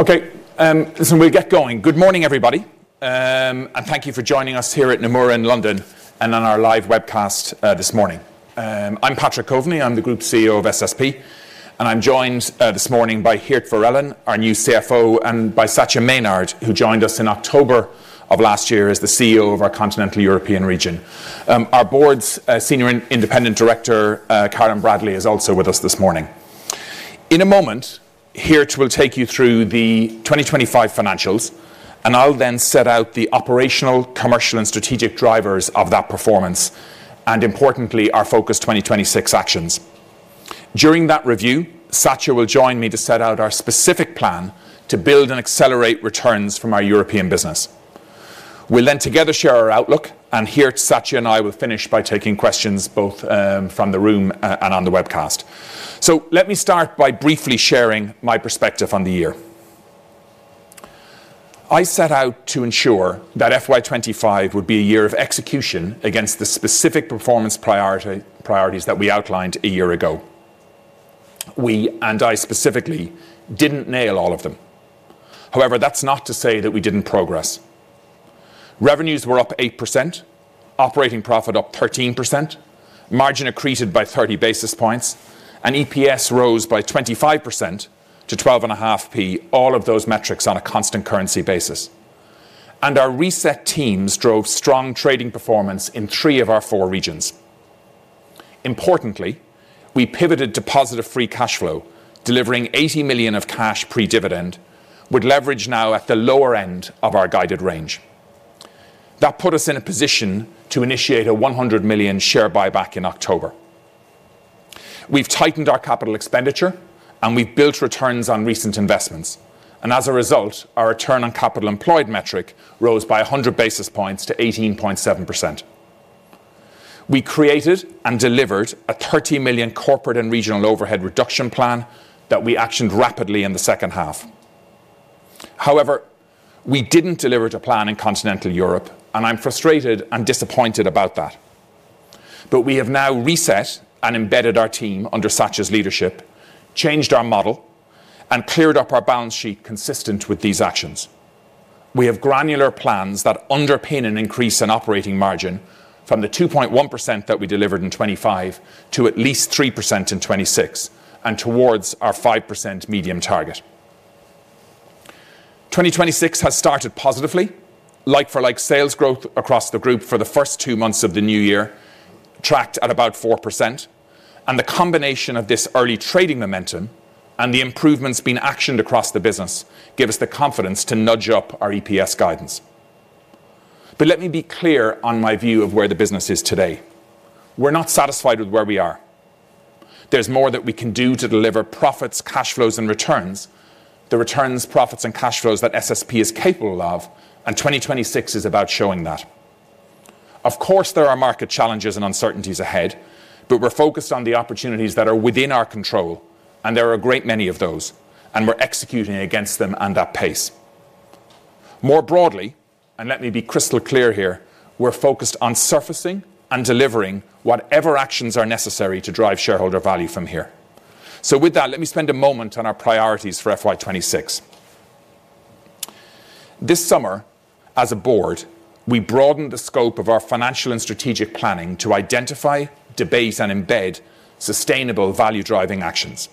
Okay, so we'll get going. Good morning, everybody. Thank you for joining us here at Nomura in London and on our live webcast this morning. I'm Patrick Coveney. I'm the Group CEO of SSP, and I'm joined this morning by Geert Verellen, our new CFO, and by Satya Menard, who joined us in October of last year as the CEO of our Continental European Region. Our Board's Senior Independent Director, Karen Bradley, is also with us this morning. In a moment, Geert will take you through the 2025 financials, and I'll then set out the operational, commercial, and strategic drivers of that performance, and importantly, our Focus 2026 actions. During that review, Satya will join me to set out our specific plan to build and accelerate returns from our European business. We'll then together share our outlook, and Geert, Satya, and I will finish by taking questions both from the room and on the webcast. So let me start by briefly sharing my perspective on the year. I set out to ensure that FY 2025 would be a year of execution against the specific performance priorities that we outlined a year ago. We, and I specifically, didn't nail all of them. However, that's not to say that we didn't progress. Revenues were up 8%, operating profit up 13%, margin accreted by 30 basis points, and EPS rose by 25% to 0.13, all of those metrics on a constant currency basis. And our reset teams drove strong trading performance in three of our four regions. Importantly, we pivoted to positive free cash flow, delivering 80 million of cash pre-dividend, with leverage now at the lower end of our guided range. That put us in a position to initiate a 100 million share buyback in October. We've tightened our capital expenditure, and we've built returns on recent investments. And as a result, our return on capital employed metric rose by 100 basis points to 18.7%. We created and delivered a 30 million corporate and regional overhead reduction plan that we actioned rapidly in the second half. However, we didn't deliver a plan in Continental Europe, and I'm frustrated and disappointed about that. But we have now reset and embedded our team under Satya's leadership, changed our model, and cleared up our balance sheet consistent with these actions. We have granular plans that underpin an increase in operating margin from the 2.1% that we delivered in 2025 to at least 3% in 2026 and towards our 5% medium target. 2026 has started positively, like-for-like sales growth across the group for the first two months of the new year, tracked at about 4%. And the combination of this early trading momentum and the improvements being actioned across the business give us the confidence to nudge up our EPS guidance. But let me be clear on my view of where the business is today. We're not satisfied with where we are. There's more that we can do to deliver profits, cash flows, and returns, the returns, profits, and cash flows that SSP is capable of, and 2026 is about showing that. Of course, there are market challenges and uncertainties ahead, but we're focused on the opportunities that are within our control, and there are a great many of those, and we're executing against them and at pace. More broadly, and let me be crystal clear here, we're focused on surfacing and delivering whatever actions are necessary to drive shareholder value from here. So with that, let me spend a moment on our priorities for FY 2026. This summer, as a Board, we broadened the scope of our financial and strategic planning to identify, debate, and embed sustainable value-driving actions.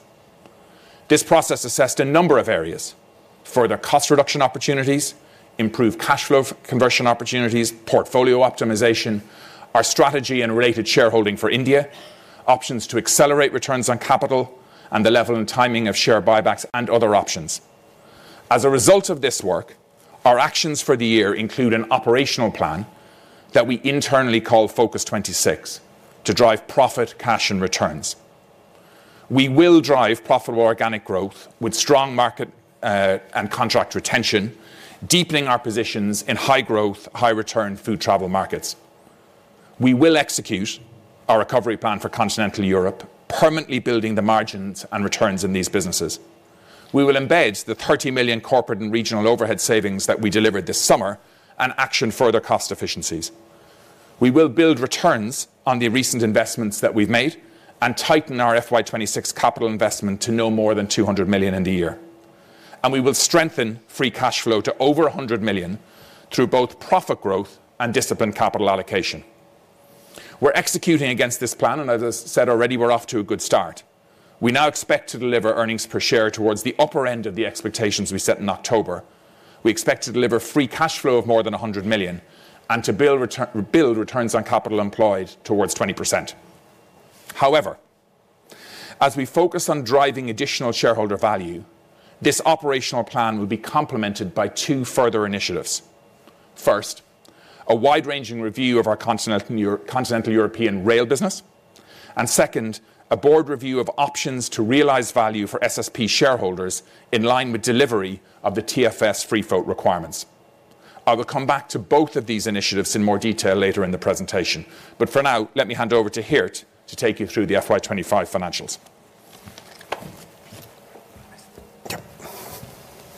This process assessed a number of areas: further cost reduction opportunities, improved cash flow conversion opportunities, portfolio optimization, our strategy and related shareholding for India, options to accelerate returns on capital, and the level and timing of share buybacks and other options. As a result of this work, our actions for the year include an operational plan that we internally call Focus 2026 to drive profit, cash, and returns. We will drive profitable organic growth with strong market and contract retention, deepening our positions in high-growth, high-return food travel markets. We will execute our recovery plan for Continental Europe, permanently building the margins and returns in these businesses. We will embed the 30 million corporate and regional overhead savings that we delivered this summer and action further cost efficiencies. We will build returns on the recent investments that we've made and tighten our FY 2026 capital investment to no more than 200 million in the year. And we will strengthen free cash flow to over 100 million through both profit growth and disciplined capital allocation. We're executing against this plan, and as I said already, we're off to a good start. We now expect to deliver earnings per share towards the upper end of the expectations we set in October. We expect to deliver free cash flow of more than 100 million and to build returns on capital employed towards 20%. However, as we focus on driving additional shareholder value, this operational plan will be complemented by two further initiatives. First, a wide-ranging review of our Continental European rail business, and second, a Board review of options to realize value for SSP shareholders in line with delivery of the TFS free-float requirements. I will come back to both of these initiatives in more detail later in the presentation. But for now, let me hand over to Geert to take you through the FY 2025 financials.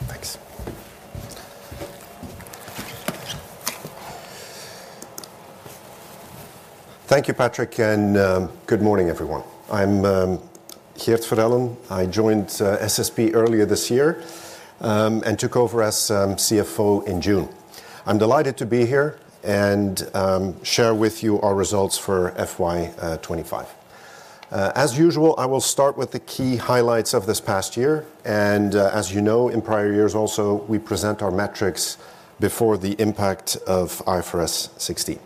Thanks. Thank you, Patrick, and good morning, everyone. I'm Geert Verellen. I joined SSP earlier this year and took over as CFO in June. I'm delighted to be here and share with you our results for FY 2025. As usual, I will start with the key highlights of this past year, and as you know, in prior years also, we present our metrics before the impact of IFRS 16.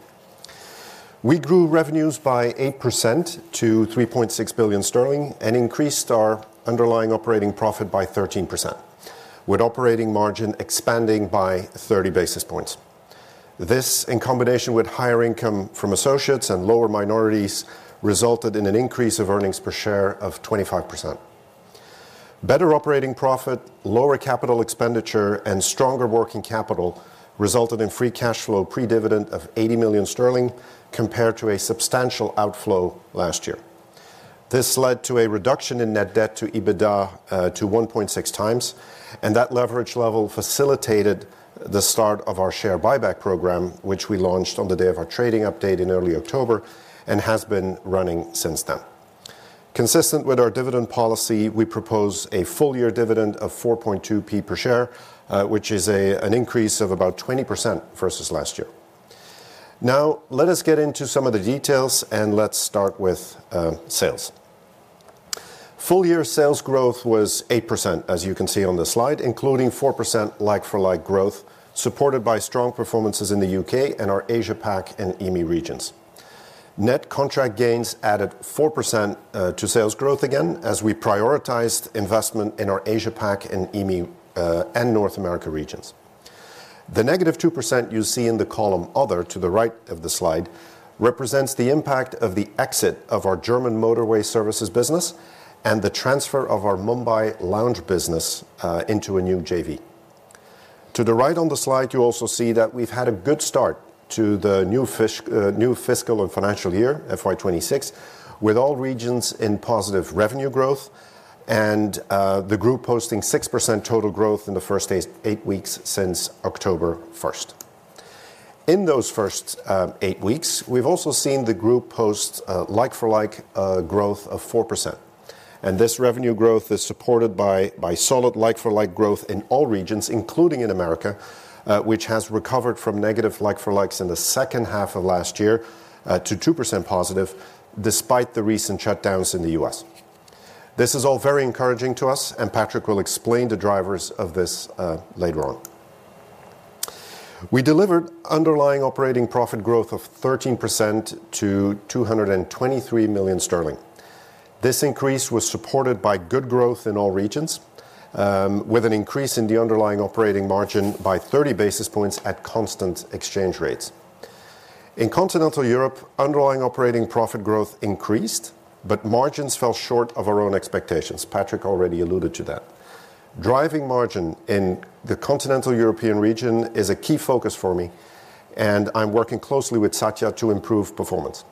We grew revenues by 8% to 3.6 billion sterling and increased our underlying operating profit by 13%, with operating margin expanding by 30 basis points. This, in combination with higher income from associates and lower minorities, resulted in an increase of earnings per share of 25%. Better operating profit, lower capital expenditure, and stronger working capital resulted in free cash flow pre-dividend of 80 million sterling compared to a substantial outflow last year. This led to a reduction in net debt to EBITDA to 1.6x, and that leverage level facilitated the start of our share buyback program, which we launched on the day of our trading update in early October and has been running since then. Consistent with our dividend policy, we propose a full-year dividend 0.04 per share, which is an increase of about 20% versus last year. Now, let us get into some of the details, and let's start with sales. Full-year sales growth was 8%, as you can see on the slide, including 4% like-for-like growth supported by strong performances in the U.K. and our Asia-Pac and EMEA regions. Net contract gains added 4% to sales growth again as we prioritized investment in our Asia-Pac and EMEA and North America regions. The -2% you see in the column other to the right of the slide represents the impact of the exit of our German motorway services business and the transfer of our Mumbai lounge business into a new JV. To the right on the slide, you also see that we've had a good start to the new fiscal and financial year, FY 2026, with all regions in positive revenue growth and the group posting 6% total growth in the first eight weeks since October 1st. In those first eight weeks, we've also seen the group post like-for-like growth of 4%, and this revenue growth is supported by solid like-for-like growth in all regions, including in America, which has recovered from negative like-for-likes in the second half of last year to 2%+ despite the recent shutdowns in the U.S. This is all very encouraging to us, and Patrick will explain the drivers of this later on. We delivered underlying operating profit growth of 13% to 223 million sterling. This increase was supported by good growth in all regions, with an increase in the underlying operating margin by 30 basis points at constant exchange rates. In Continental Europe, underlying operating profit growth increased, but margins fell short of our own expectations. Patrick already alluded to that. Driving margin in the Continental European region is a key focus for me, and I'm working closely with Satya to improve performance.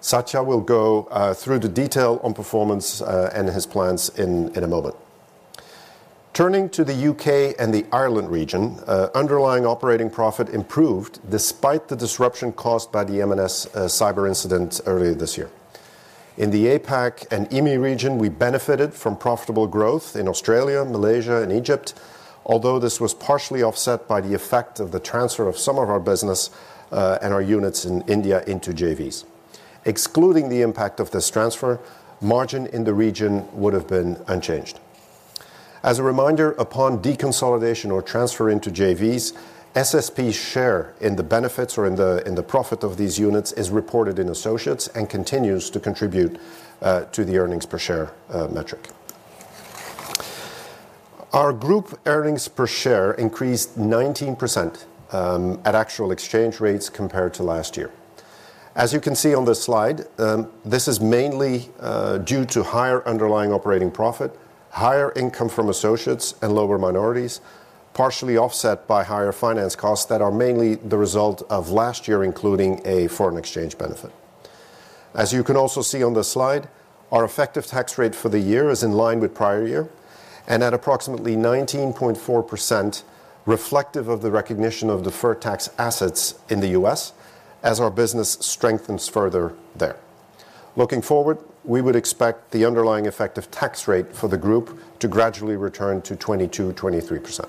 Satya will go through the detail on performance and his plans in a moment. Turning to the U.K. and Ireland region, underlying operating profit improved despite the disruption caused by the M&S cyber incident earlier this year. In the APAC and EMEA region, we benefited from profitable growth in Australia, Malaysia, and Egypt, although this was partially offset by the effect of the transfer of some of our business and our units in India into JVs. Excluding the impact of this transfer, margin in the region would have been unchanged. As a reminder, upon deconsolidation or transfer into JVs, SSP's share in the benefits or in the profit of these units is reported in associates and continues to contribute to the earnings per share metric. Our group earnings per share increased 19% at actual exchange rates compared to last year. As you can see on this slide, this is mainly due to higher underlying operating profit, higher income from associates, and lower minorities, partially offset by higher finance costs that are mainly the result of last year, including a foreign exchange benefit. As you can also see on the slide, our effective tax rate for the year is in line with prior year and at approximately 19.4%, reflective of the recognition of deferred tax assets in the U.S. as our business strengthens further there. Looking forward, we would expect the underlying effective tax rate for the group to gradually return to 22%, 23%.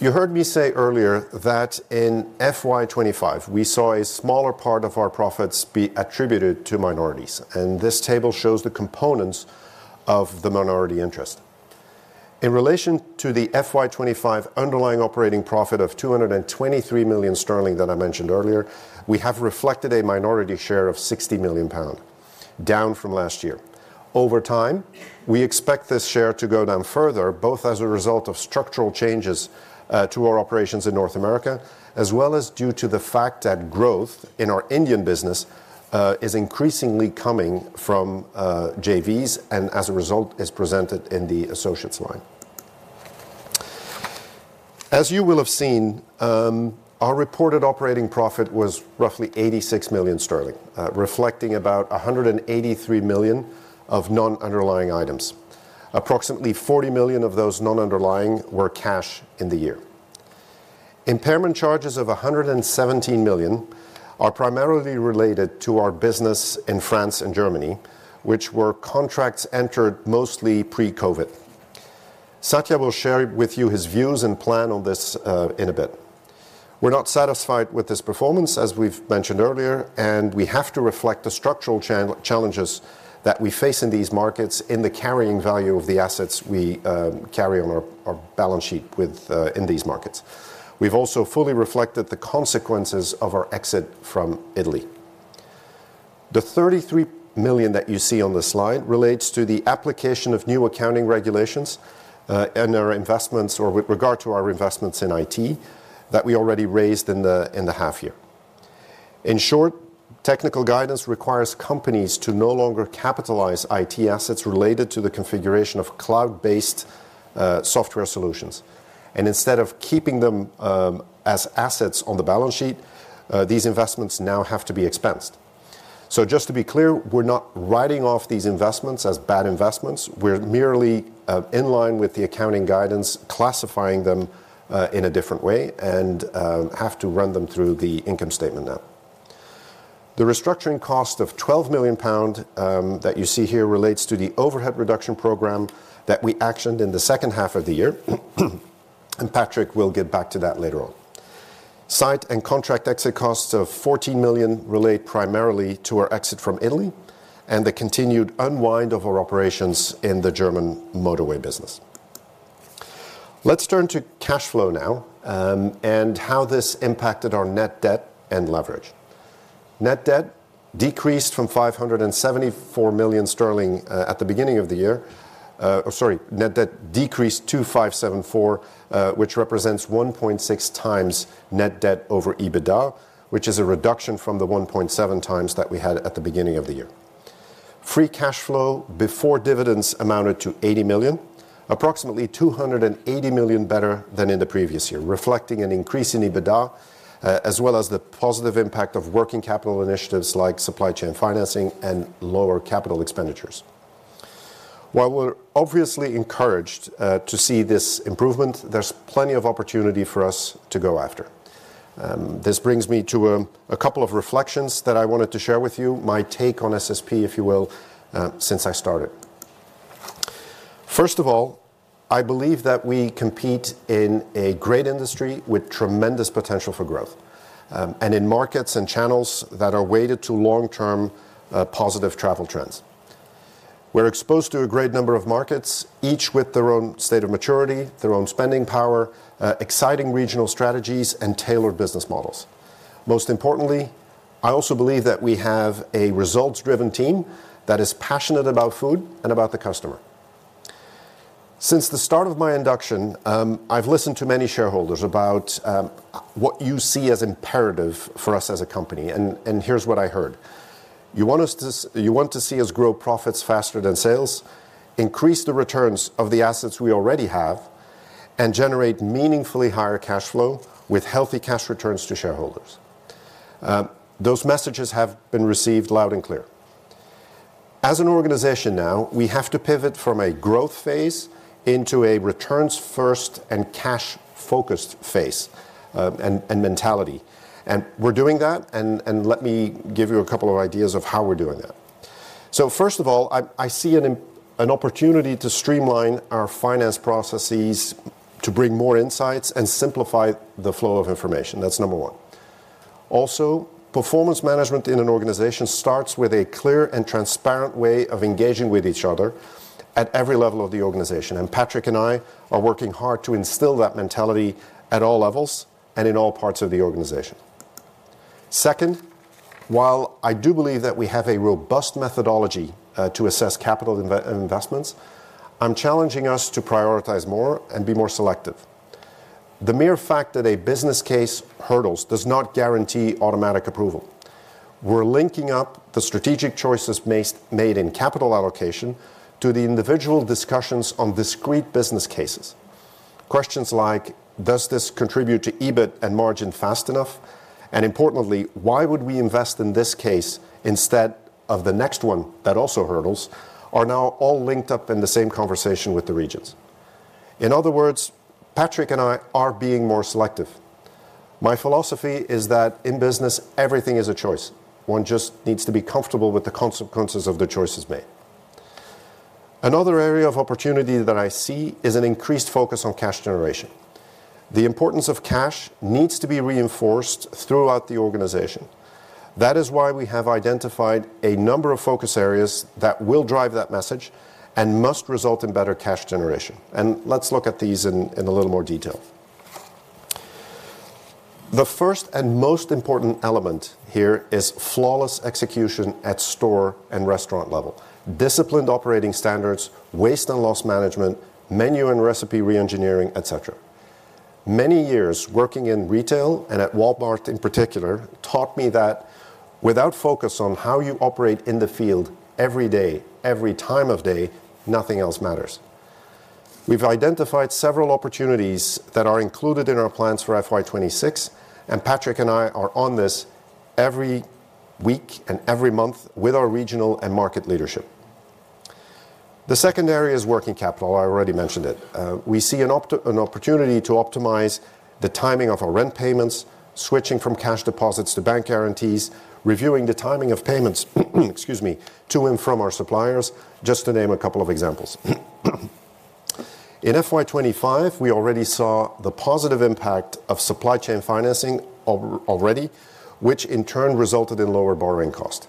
You heard me say earlier that in FY 2025, we saw a smaller part of our profits be attributed to minorities, and this table shows the components of the minority interest. In relation to the FY 2025 underlying operating profit of 223 million sterling that I mentioned earlier, we have reflected a minority share of 60 million pound, down from last year. Over time, we expect this share to go down further, both as a result of structural changes to our operations in North America, as well as due to the fact that growth in our Indian business is increasingly coming from JVs and as a result is presented in the associates line. As you will have seen, our reported operating profit was roughly 86 million sterling, reflecting about 183 million of non-underlying items. Approximately 40 million of those non-underlying were cash in the year. Impairment charges of 117 million are primarily related to our business in France and Germany, which were contracts entered mostly pre-COVID. Satya will share with you his views and plan on this in a bit. We're not satisfied with this performance, as we've mentioned earlier, and we have to reflect the structural challenges that we face in these markets in the carrying value of the assets we carry on our balance sheet in these markets. We've also fully reflected the consequences of our exit from Italy. The 33 million that you see on the slide relates to the application of new accounting regulations in our investments or with regard to our investments in IT that we already raised in the half year. In short, technical guidance requires companies to no longer capitalize IT assets related to the configuration of cloud-based software solutions. And instead of keeping them as assets on the balance sheet, these investments now have to be expensed. So just to be clear, we're not writing off these investments as bad investments. We're merely in line with the accounting guidance, classifying them in a different way, and have to run them through the income statement now. The restructuring cost of 12 million pound that you see here relates to the overhead reduction program that we actioned in the second half of the year, and Patrick will get back to that later on. Site and contract exit costs of 14 million relate primarily to our exit from Italy and the continued unwind of our operations in the German motorway business. Let's turn to cash flow now and how this impacted our net debt and leverage. Net debt decreased from 574 million sterling at the beginning of the year. Sorry, net debt decreased to 574 million, which represents 1.6x net debt over EBITDA, which is a reduction from the 1.7x that we had at the beginning of the year. Free cash flow before dividends amounted to 80 million, approximately 280 million better than in the previous year, reflecting an increase in EBITDA as well as the positive impact of working capital initiatives like supply chain financing and lower capital expenditures. While we're obviously encouraged to see this improvement, there's plenty of opportunity for us to go after. This brings me to a couple of reflections that I wanted to share with you, my take on SSP, if you will, since I started. First of all, I believe that we compete in a great industry with tremendous potential for growth and in markets and channels that are weighted to long-term positive travel trends. We're exposed to a great number of markets, each with their own state of maturity, their own spending power, exciting regional strategies, and tailored business models. Most importantly, I also believe that we have a results-driven team that is passionate about food and about the customer. Since the start of my induction, I've listened to many shareholders about what you see as imperative for us as a company. And here's what I heard. You want to see us grow profits faster than sales, increase the returns of the assets we already have, and generate meaningfully higher cash flow with healthy cash returns to shareholders. Those messages have been received loud and clear. As an organization now, we have to pivot from a growth phase into a returns-first and cash-focused phase and mentality. And we're doing that, and let me give you a couple of ideas of how we're doing that. So first of all, I see an opportunity to streamline our finance processes to bring more insights and simplify the flow of information. That's number one. Also, performance management in an organization starts with a clear and transparent way of engaging with each other at every level of the organization. Patrick and I are working hard to instill that mentality at all levels and in all parts of the organization. Second, while I do believe that we have a robust methodology to assess capital investments, I'm challenging us to prioritize more and be more selective. The mere fact that a business case hurdles does not guarantee automatic approval. We're linking up the strategic choices made in capital allocation to the individual discussions on discrete business cases. Questions like, does this contribute to EBIT and margin fast enough? And importantly, why would we invest in this case instead of the next one that also hurdles are now all linked up in the same conversation with the regions. In other words, Patrick and I are being more selective. My philosophy is that in business, everything is a choice. One just needs to be comfortable with the consequences of the choices made. Another area of opportunity that I see is an increased focus on cash generation. The importance of cash needs to be reinforced throughout the organization. That is why we have identified a number of focus areas that will drive that message and must result in better cash generation, and let's look at these in a little more detail. The first and most important element here is flawless execution at store and restaurant level, disciplined operating standards, waste and loss management, menu and recipe re-engineering, et cetera. Many years working in retail and at Walmart in particular taught me that without focus on how you operate in the field every day, every time of day, nothing else matters. We've identified several opportunities that are included in our plans for FY 2026, and Patrick and I are on this every week and every month with our regional and market leadership. The second area is working capital. I already mentioned it. We see an opportunity to optimize the timing of our rent payments, switching from cash deposits to bank guarantees, reviewing the timing of payments, excuse me, to and from our suppliers, just to name a couple of examples. In FY 2025, we already saw the positive impact of supply chain financing, which in turn resulted in lower borrowing costs.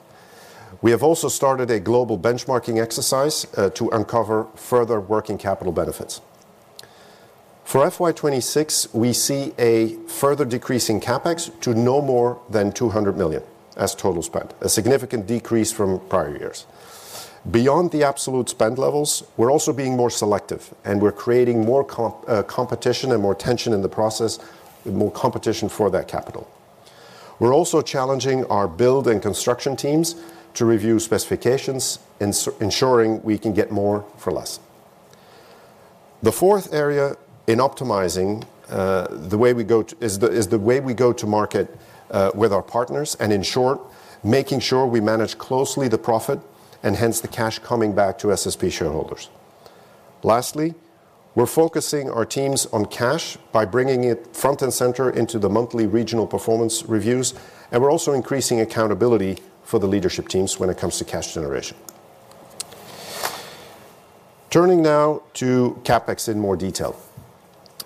We have also started a global benchmarking exercise to uncover further working capital benefits. For FY 2026, we see a further decrease in CapEx to no more than 200 million as total spend, a significant decrease from prior years. Beyond the absolute spend levels, we're also being more selective, and we're creating more competition and more tension in the process, more competition for that capital. We're also challenging our build and construction teams to review specifications, ensuring we can get more for less. The fourth area in optimizing the way we go is the way we go to market with our partners and, in short, making sure we manage closely the profit and hence the cash coming back to SSP shareholders. Lastly, we're focusing our teams on cash by bringing it front and center into the monthly regional performance reviews, and we're also increasing accountability for the leadership teams when it comes to cash generation. Turning now to CapEx in more detail.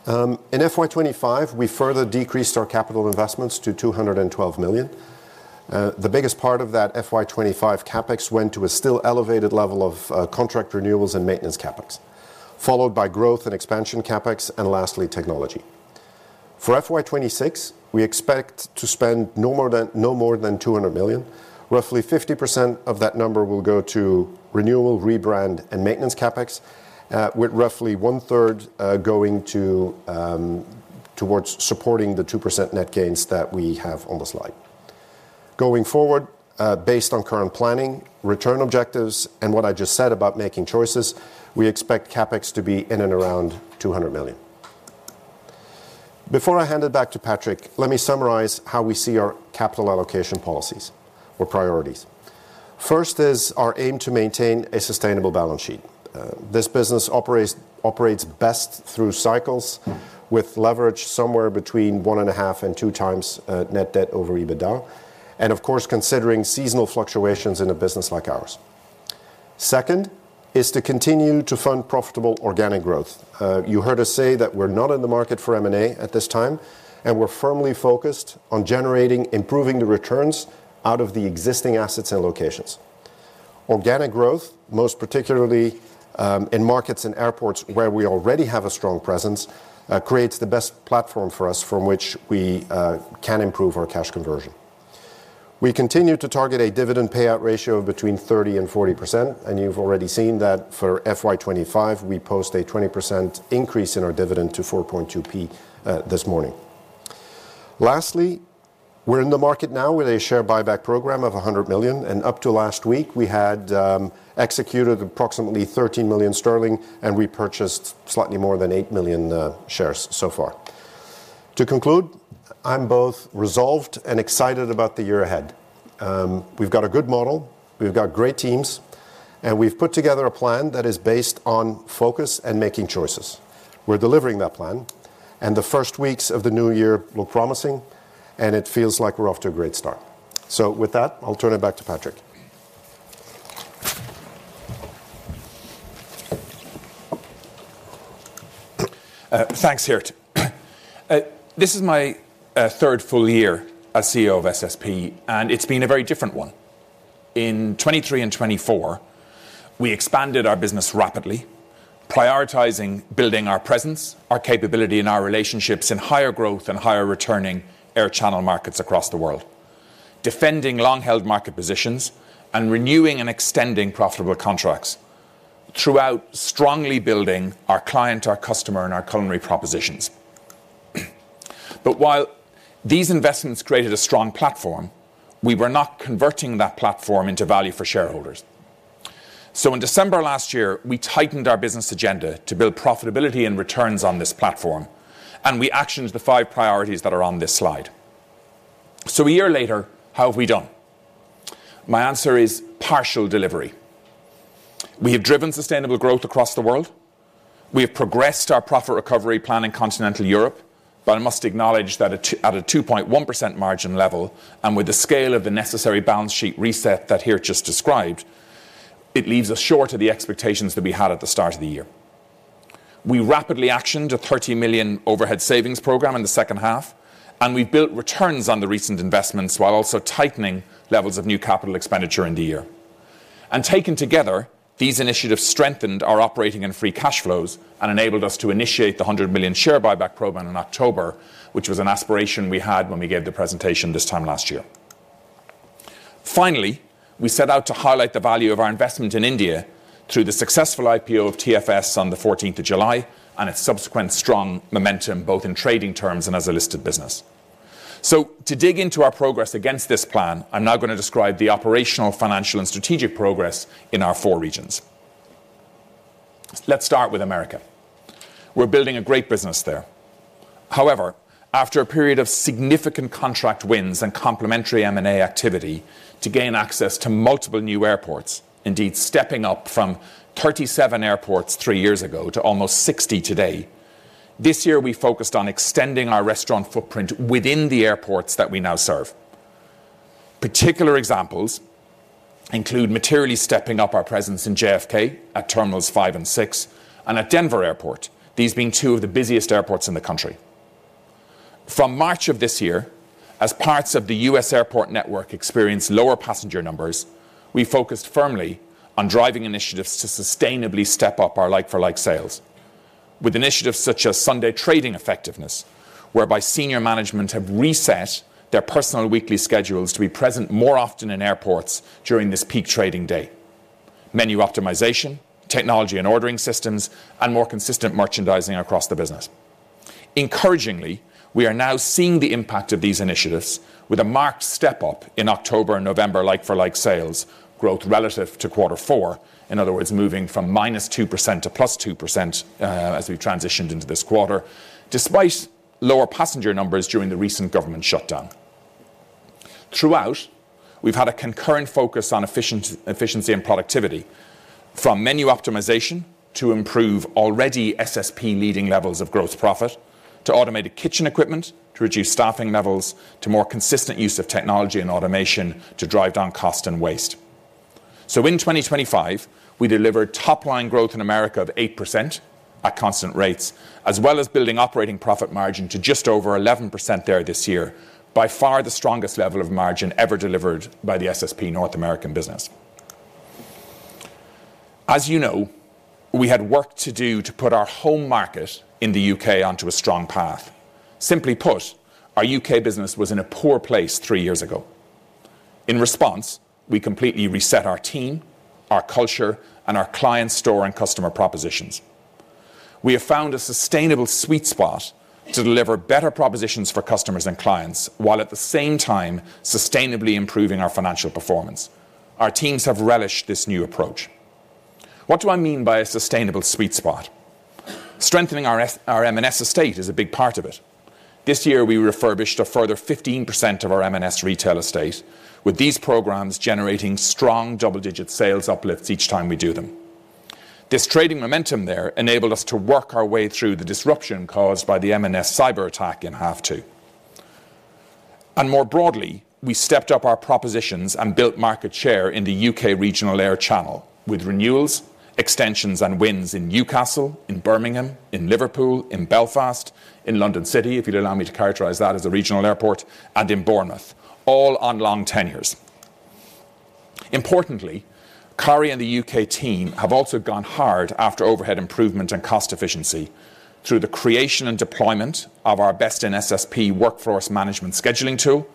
In FY 2025, we further decreased our capital investments to 212 million. The biggest part of that FY 2025 CapEx went to a still elevated level of contract renewals and maintenance CapEx, followed by growth and expansion CapEx, and lastly, technology. For FY 2026, we expect to spend no more than 200 million. Roughly 50% of that number will go to renewal, rebrand, and maintenance CapEx, with roughly 1/3 going towards supporting the 2% net gains that we have on the slide. Going forward, based on current planning, return objectives, and what I just said about making choices, we expect CapEx to be in and around 200 million. Before I hand it back to Patrick, let me summarize how we see our capital allocation policies or priorities. First is our aim to maintain a sustainable balance sheet. This business operates best through cycles with leverage somewhere between 1.5x and 2x net debt over EBITDA, and of course, considering seasonal fluctuations in a business like ours. Second is to continue to fund profitable organic growth. You heard us say that we're not in the market for M&A at this time, and we're firmly focused on generating, improving the returns out of the existing assets and locations. Organic growth, most particularly in markets and airports where we already have a strong presence, creates the best platform for us from which we can improve our cash conversion. We continue to target a dividend payout ratio of between 30% and 40%, and you've already seen that for FY 2025, we post a 20% increase in our dividend 0.04 this morning. Lastly, we're in the market now with a share buyback program of 100 million, and up to last week, we had executed approximately 13 million sterling and repurchased slightly more than 8 million shares so far. To conclude, I'm both resolved and excited about the year ahead. We've got a good model, we've got great teams, and we've put together a plan that is based on focus and making choices. We're delivering that plan, and the first weeks of the new year look promising, and it feels like we're off to a great start. So with that, I'll turn it back to Patrick. Thanks, Geert. This is my third full year as CEO of SSP, and it's been a very different one. In 2023 and 2024, we expanded our business rapidly, prioritizing building our presence, our capability, and our relationships in higher growth and higher returning air channel markets across the world, defending long-held market positions and renewing and extending profitable contracts throughout, strongly building our client, our customer, and our culinary propositions. But while these investments created a strong platform, we were not converting that platform into value for shareholders. So in December last year, we tightened our business agenda to build profitability and returns on this platform, and we actioned the five priorities that are on this slide. So a year later, how have we done? My answer is partial delivery. We have driven sustainable growth across the world. We have progressed our profit recovery plan in Continental Europe, but I must acknowledge that at a 2.1% margin level and with the scale of the necessary balance sheet reset that Geert just described, it leaves us short of the expectations that we had at the start of the year. We rapidly actioned a 30 million overhead savings program in the second half, and we've built returns on the recent investments while also tightening levels of new capital expenditure in the year, and taken together, these initiatives strengthened our operating and free cash flows and enabled us to initiate the 100 million share buyback program in October, which was an aspiration we had when we gave the presentation this time last year. Finally, we set out to highlight the value of our investment in India through the successful IPO of TFS on the 14th of July and its subsequent strong momentum, both in trading terms and as a listed business. So to dig into our progress against this plan, I'm now going to describe the operational, financial, and strategic progress in our four regions. Let's start with America. We're building a great business there. However, after a period of significant contract wins and complementary M&A activity to gain access to multiple new airports, indeed stepping up from 37 airports three years ago to almost 60 today, this year we focused on extending our restaurant footprint within the airports that we now serve. Particular examples include materially stepping up our presence in JFK at Terminals 5 and 6 and at Denver Airport, these being two of the busiest airports in the country. From March of this year, as parts of the U.S. airport network experienced lower passenger numbers, we focused firmly on driving initiatives to sustainably step up our like-for-like sales, with initiatives such as Sunday trading effectiveness, whereby senior management have reset their personal weekly schedules to be present more often in airports during this peak trading day, menu optimization, technology and ordering systems, and more consistent merchandising across the business. Encouragingly, we are now seeing the impact of these initiatives with a marked step up in October and November like-for-like sales growth relative to Q4, in other words, moving from -2% to + 2% as we transitioned into this quarter, despite lower passenger numbers during the recent government shutdown. Throughout, we've had a concurrent focus on efficiency and productivity, from menu optimization to improve already SSP-leading levels of gross profit, to automated kitchen equipment to reduce staffing levels, to more consistent use of technology and automation to drive down costs and waste. In 2025, we delivered top-line growth in America of 8% at constant rates, as well as building operating profit margin to just over 11% there this year, by far the strongest level of margin ever delivered by the SSP North American business. As you know, we had work to do to put our home market in the U.K. onto a strong path. Simply put, our U.K. business was in a poor place three years ago. In response, we completely reset our team, our culture, and our client store and customer propositions. We have found a sustainable sweet spot to deliver better propositions for customers and clients while at the same time sustainably improving our financial performance. Our teams have relished this new approach. What do I mean by a sustainable sweet spot? Strengthening our M&S estate is a big part of it. This year, we refurbished a further 15% of our M&S retail estate, with these programs generating strong double-digit sales uplifts each time we do them. This trading momentum there enabled us to work our way through the disruption caused by the M&S cyber attack in half two, and more broadly, we stepped up our propositions and built market share in the U.K. regional air channel with renewals, extensions, and wins in Newcastle, in Birmingham, in Liverpool, in Belfast, in London City, if you'd allow me to characterize that as a regional airport, and in Bournemouth, all on long tenures. Importantly, Kari and the U.K. team have also gone hard after overhead improvement and cost efficiency through the creation and deployment of our best in SSP workforce management scheduling tool,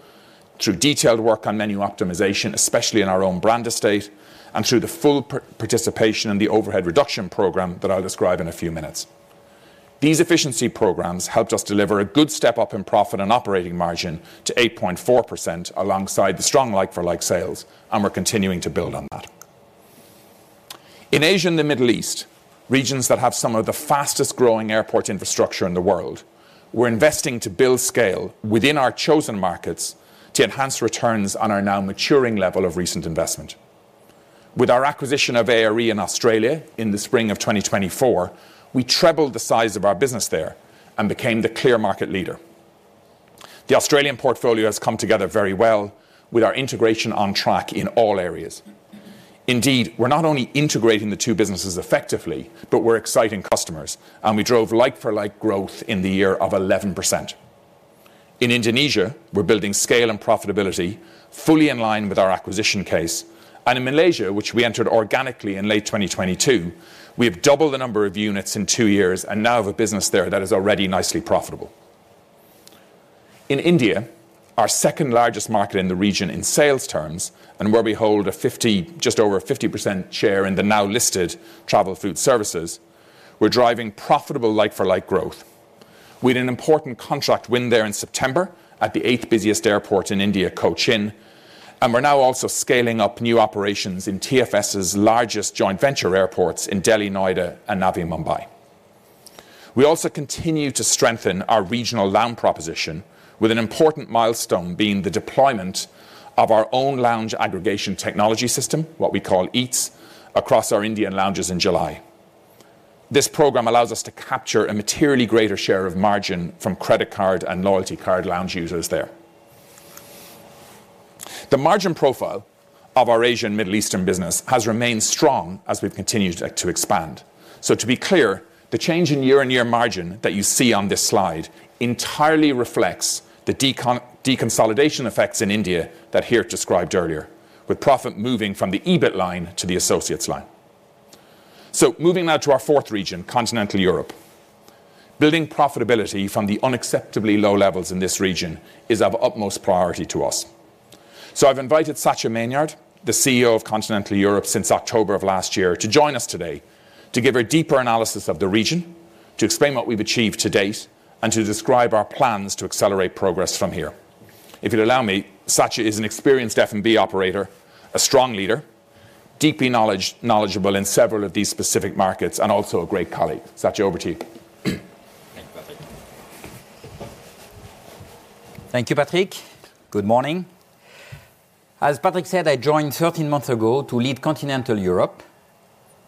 through detailed work on menu optimization, especially in our own brand estate, and through the full participation in the overhead reduction program that I'll describe in a few minutes. These efficiency programs helped us deliver a good step up in profit and operating margin to 8.4% alongside the strong like-for-like sales, and we're continuing to build on that. In Asia and the Middle East, regions that have some of the fastest-growing airport infrastructure in the world, we're investing to build scale within our chosen markets to enhance returns on our now maturing level of recent investment. With our acquisition of ARE in Australia in the spring of 2024, we trebled the size of our business there and became the clear market leader. The Australian portfolio has come together very well with our integration on track in all areas. Indeed, we're not only integrating the two businesses effectively, but we're exciting customers, and we drove like-for-like growth in the year of 11%. In Indonesia, we're building scale and profitability fully in line with our acquisition case, and in Malaysia, which we entered organically in late 2022, we have doubled the number of units in two years and now have a business there that is already nicely profitable. In India, our second largest market in the region in sales terms, and where we hold a just over 50% share in the now listed Travel Food Services, we're driving profitable like-for-like growth. We had an important contract win there in September at the eighth busiest airport in India, Cochin, and we're now also scaling up new operations in TFS's largest joint venture airports in Delhi, Noida, and Navi Mumbai. We also continue to strengthen our regional lounge proposition, with an important milestone being the deployment of our own lounge aggregation technology system, what we call EATS, across our Indian lounges in July. This program allows us to capture a materially greater share of margin from credit card and loyalty card lounge users there. The margin profile of our Asia and Middle Eastern business has remained strong as we've continued to expand. So to be clear, the change in year-on-year margin that you see on this slide entirely reflects the deconsolidation effects in India that Herat described earlier, with profit moving from the EBIT line to the associates line. So moving now to our fourth region, Continental Europe. Building profitability from the unacceptably low levels in this region is of utmost priority to us. I've invited Satya Menard, the CEO of Continental Europe since October of last year, to join us today to give a deeper analysis of the region, to explain what we've achieved to date, and to describe our plans to accelerate progress from here. If you'd allow me, Satya is an experienced F&B operator, a strong leader, deeply knowledgeable in several of these specific markets, and also a great colleague. Satya, over to you. Thank you, Patrick. Thank you, Patrick. Good morning. As Patrick said, I joined 13 months ago to lead Continental Europe,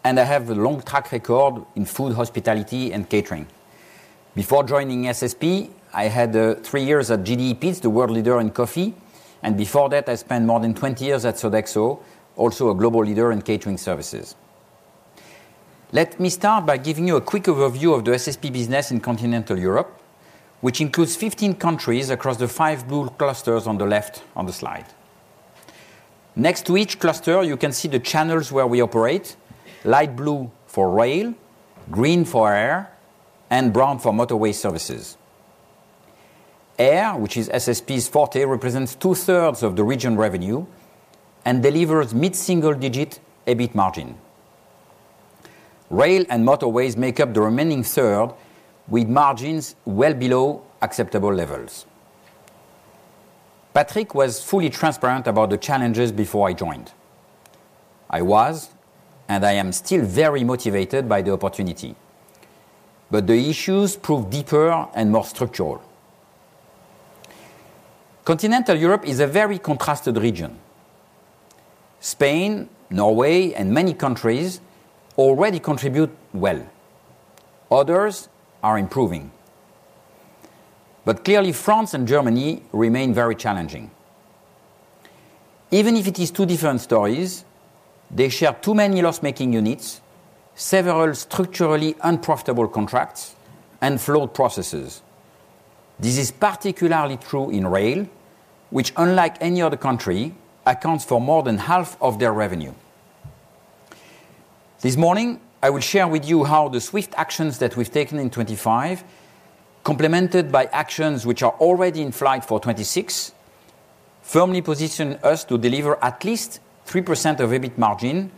and I have a long track record in food, hospitality, and catering. Before joining SSP, I had three years at JDE, is the world leader in coffee, and before that, I spent more than 20 years at Sodexo, also a global leader in catering services. Let me start by giving you a quick overview of the SSP business in Continental Europe, which includes 15 countries across the five blue clusters on the left on the slide. Next to each cluster, you can see the channels where we operate: light blue for rail, green for air, and brown for motorway services. Air, which is SSP's forte, represents 2/3 of the region revenue and delivers mid-single-digit EBIT margin. Rail and motorways make up the remaining 1/3, with margins well below acceptable levels. Patrick was fully transparent about the challenges before I joined. I was, and I am still very motivated by the opportunity, but the issues prove deeper and more structural. Continental Europe is a very contrasted region. Spain, Norway, and many countries already contribute well. Others are improving. But clearly, France and Germany remain very challenging. Even if it is two different stories, they share too many loss-making units, several structurally unprofitable contracts, and flawed processes. This is particularly true in rail, which, unlike any other country, accounts for more than half of their revenue. This morning, I will share with you how the swift actions that we've taken in 2025, complemented by actions which are already in flight for 2026, firmly position us to deliver at least 3% of EBIT margin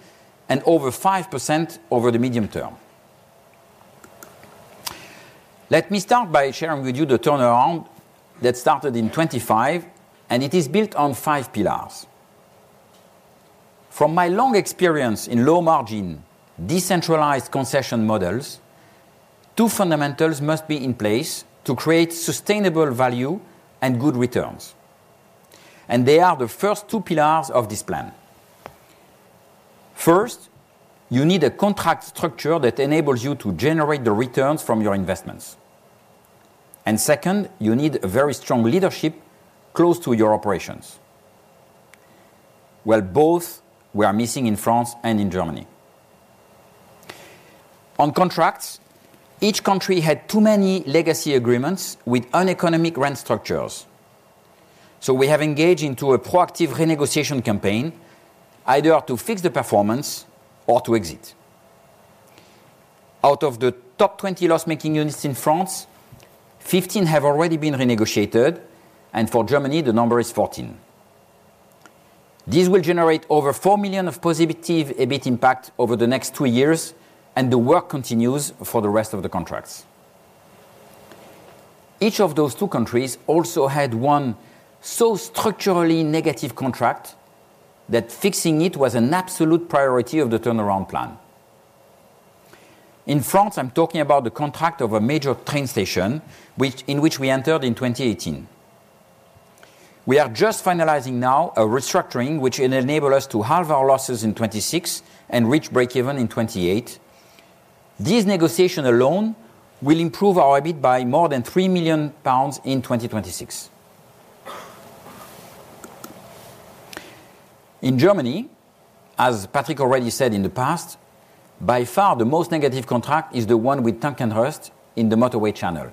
and over 5% over the medium term. Let me start by sharing with you the turnaround that started in 2025, and it is built on five pillars. From my long experience in low-margin, decentralized concession models, two fundamentals must be in place to create sustainable value and good returns, and they are the first two pillars of this plan. First, you need a contract structure that enables you to generate the returns from your investments, and second, you need a very strong leadership close to your operations, while both were missing in France and in Germany. On contracts, each country had too many legacy agreements with uneconomic rent structures, so we have engaged into a proactive renegotiation campaign, either to fix the performance or to exit. Out of the top 20 loss-making units in France, 15 have already been renegotiated, and for Germany, the number is 14. These will generate over 4 million of positive EBIT impact over the next two years, and the work continues for the rest of the contracts. Each of those two countries also had one so structurally negative contract that fixing it was an absolute priority of the turnaround plan. In France, I'm talking about the contract of a major train station in which we entered in 2018. We are just finalizing now a restructuring which will enable us to halve our losses in 2026 and reach breakeven in 2028. These negotiations alone will improve our EBIT by more than 3 million pounds in 2026. In Germany, as Patrick already said in the past, by far the most negative contract is the one with Tank & Rast in the motorway channel,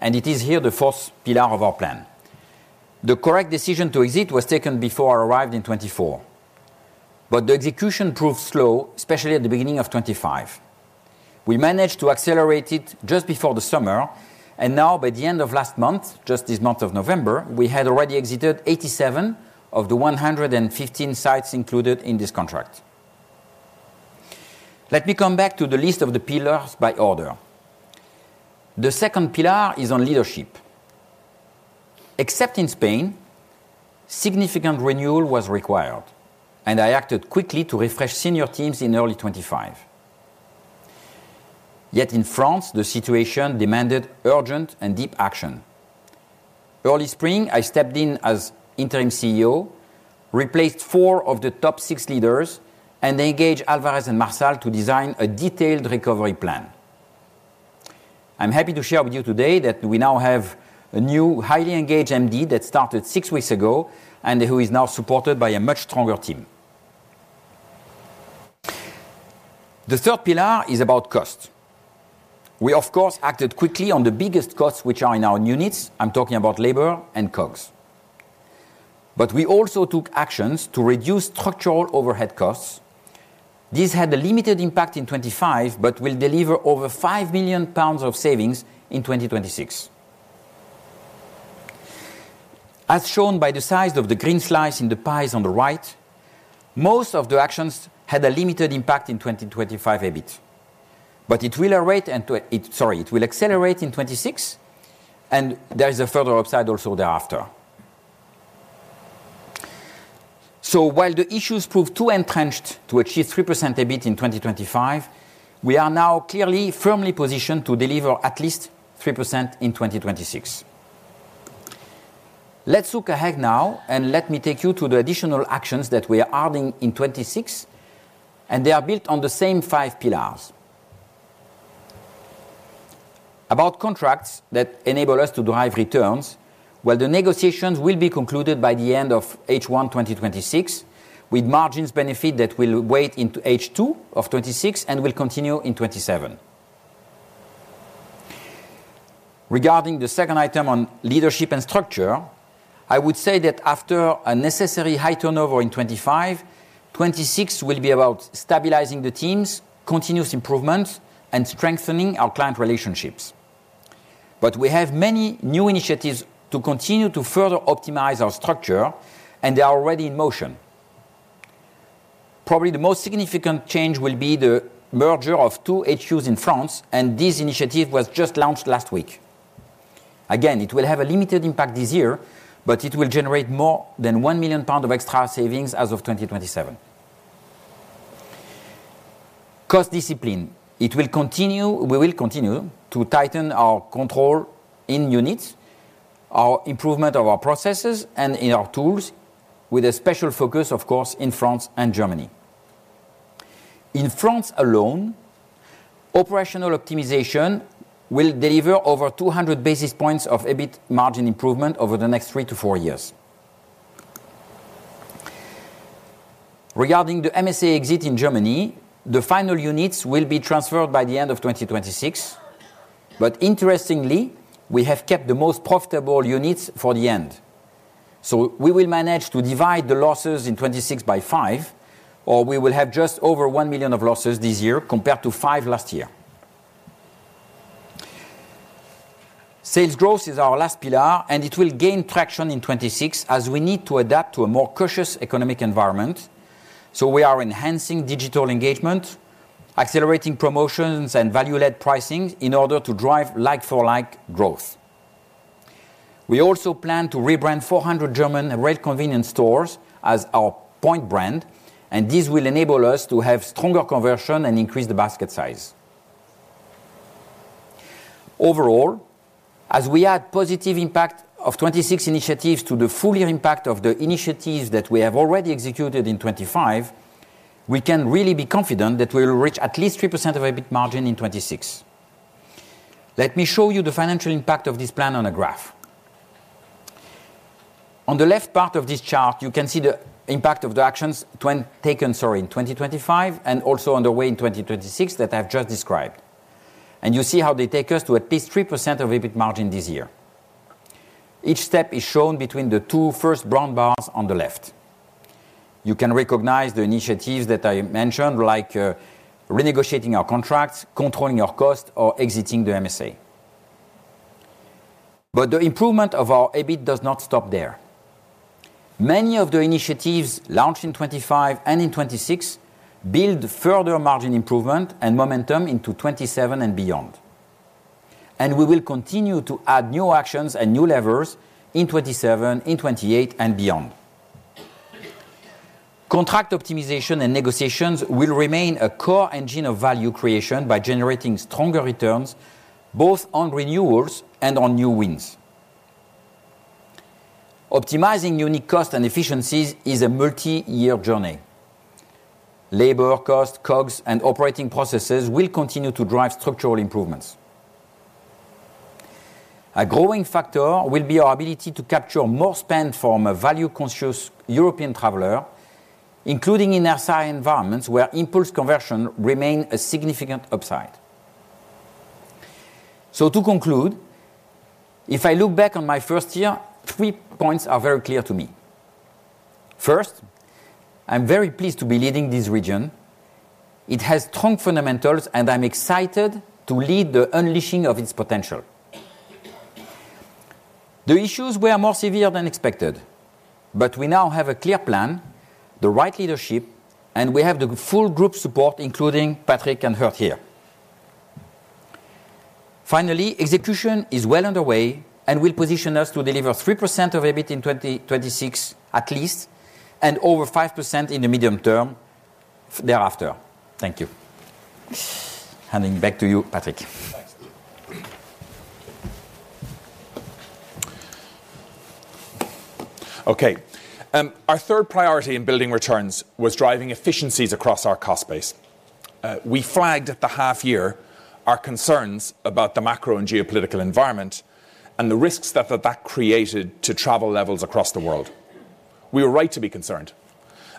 and it is here the fourth pillar of our plan. The correct decision to exit was taken before I arrived in 2024, but the execution proved slow, especially at the beginning of 2025. We managed to accelerate it just before the summer, and now, by the end of last month, just this month of November, we had already exited 87 of the 115 sites included in this contract. Let me come back to the list of the pillars by order. The second pillar is on leadership. Except in Spain, significant renewal was required, and I acted quickly to refresh senior teams in early 2025. Yet in France, the situation demanded urgent and deep action. Early spring, I stepped in as interim CEO, replaced four of the top six leaders, and engaged Alvarez & Marsal to design a detailed recovery plan. I'm happy to share with you today that we now have a new, highly engaged MD that started six weeks ago and who is now supported by a much stronger team. The third pillar is about cost. We, of course, acted quickly on the biggest costs which are in our units. I'm talking about labor and COGS. But we also took actions to reduce structural overhead costs. These had a limited impact in 2025, but will deliver over 5 million pounds of savings in 2026. As shown by the size of the green slice in the pies on the right, most of the actions had a limited impact in 2025 EBIT, but it will accelerate in 2026, and there is a further upside also thereafter. So while the issues proved too entrenched to achieve 3% EBIT in 2025, we are now clearly firmly positioned to deliver at least 3% in 2026. Let's look ahead now, and let me take you to the additional actions that we are adding in 2026, and they are built on the same five pillars. About contracts that enable us to drive returns. Well, the negotiations will be concluded by the end of H1 2026, with margins benefit that will wait into H2 of 2026 and will continue in 2027. Regarding the second item on leadership and structure, I would say that after a necessary high turnover in 2025, 2026 will be about stabilizing the teams, continuous improvements, and strengthening our client relationships. But we have many new initiatives to continue to further optimize our structure, and they are already in motion. Probably the most significant change will be the merger of two HQs in France, and this initiative was just launched last week. Again, it will have a limited impact this year, but it will generate more than 1 million pounds of extra savings as of 2027. Cost discipline. It will continue, we will continue to tighten our control in units, our improvement of our processes, and in our tools, with a special focus, of course, in France and Germany. In France alone, operational optimization will deliver over 200 basis points of EBIT margin improvement over the next three to four years. Regarding the MSA exit in Germany, the final units will be transferred by the end of 2026, but interestingly, we have kept the most profitable units for the end. So we will manage to divide the losses in 2026 by five, or we will have just over 1 million of losses this year compared to 5 million last year. Sales growth is our last pillar, and it will gain traction in 2026 as we need to adapt to a more cautious economic environment. So we are enhancing digital engagement, accelerating promotions, and value-led pricing in order to drive like-for-like growth. We also plan to rebrand 400 German Red Convenience Stores as our Point brand, and this will enable us to have stronger conversion and increase the basket size. Overall, as we add positive impact of 2026 initiatives to the full impact of the initiatives that we have already executed in 2025, we can really be confident that we will reach at least 3% of EBIT margin in 2026. Let me show you the financial impact of this plan on a graph. On the left part of this chart, you can see the impact of the actions taken in 2025 and also underway in 2026 that I've just described, and you see how they take us to at least 3% of EBIT margin this year. Each step is shown between the two first brown bars on the left. You can recognize the initiatives that I mentioned, like renegotiating our contracts, controlling our costs, or exiting the MSA. But the improvement of our EBIT does not stop there. Many of the initiatives launched in 2025 and in 2026 build further margin improvement and momentum into 2027 and beyond. And we will continue to add new actions and new levers in 2027, in 2028, and beyond. Contract optimization and negotiations will remain a core engine of value creation by generating stronger returns both on renewals and on new wins. Optimizing unique costs and efficiencies is a multi-year journey. Labor, costs, COGS, and operating processes will continue to drive structural improvements. A growing factor will be our ability to capture more spend from a value-conscious European traveler, including in airside environments where impulse conversion remains a significant upside. So to conclude, if I look back on my first year, three points are very clear to me. First, I'm very pleased to be leading this region. It has strong fundamentals, and I'm excited to lead the unleashing of its potential. The issues were more severe than expected, but we now have a clear plan, the right leadership, and we have the full group support, including Patrick and Geert here. Finally, execution is well underway and will position us to deliver 3% of EBIT in 2026 at least and over 5% in the medium term thereafter. Thank you. Handing back to you, Patrick. Okay. Our third priority in building returns was driving efficiencies across our cost base. We flagged at the half-year our concerns about the macro and geopolitical environment and the risks that that created to travel levels across the world. We were right to be concerned,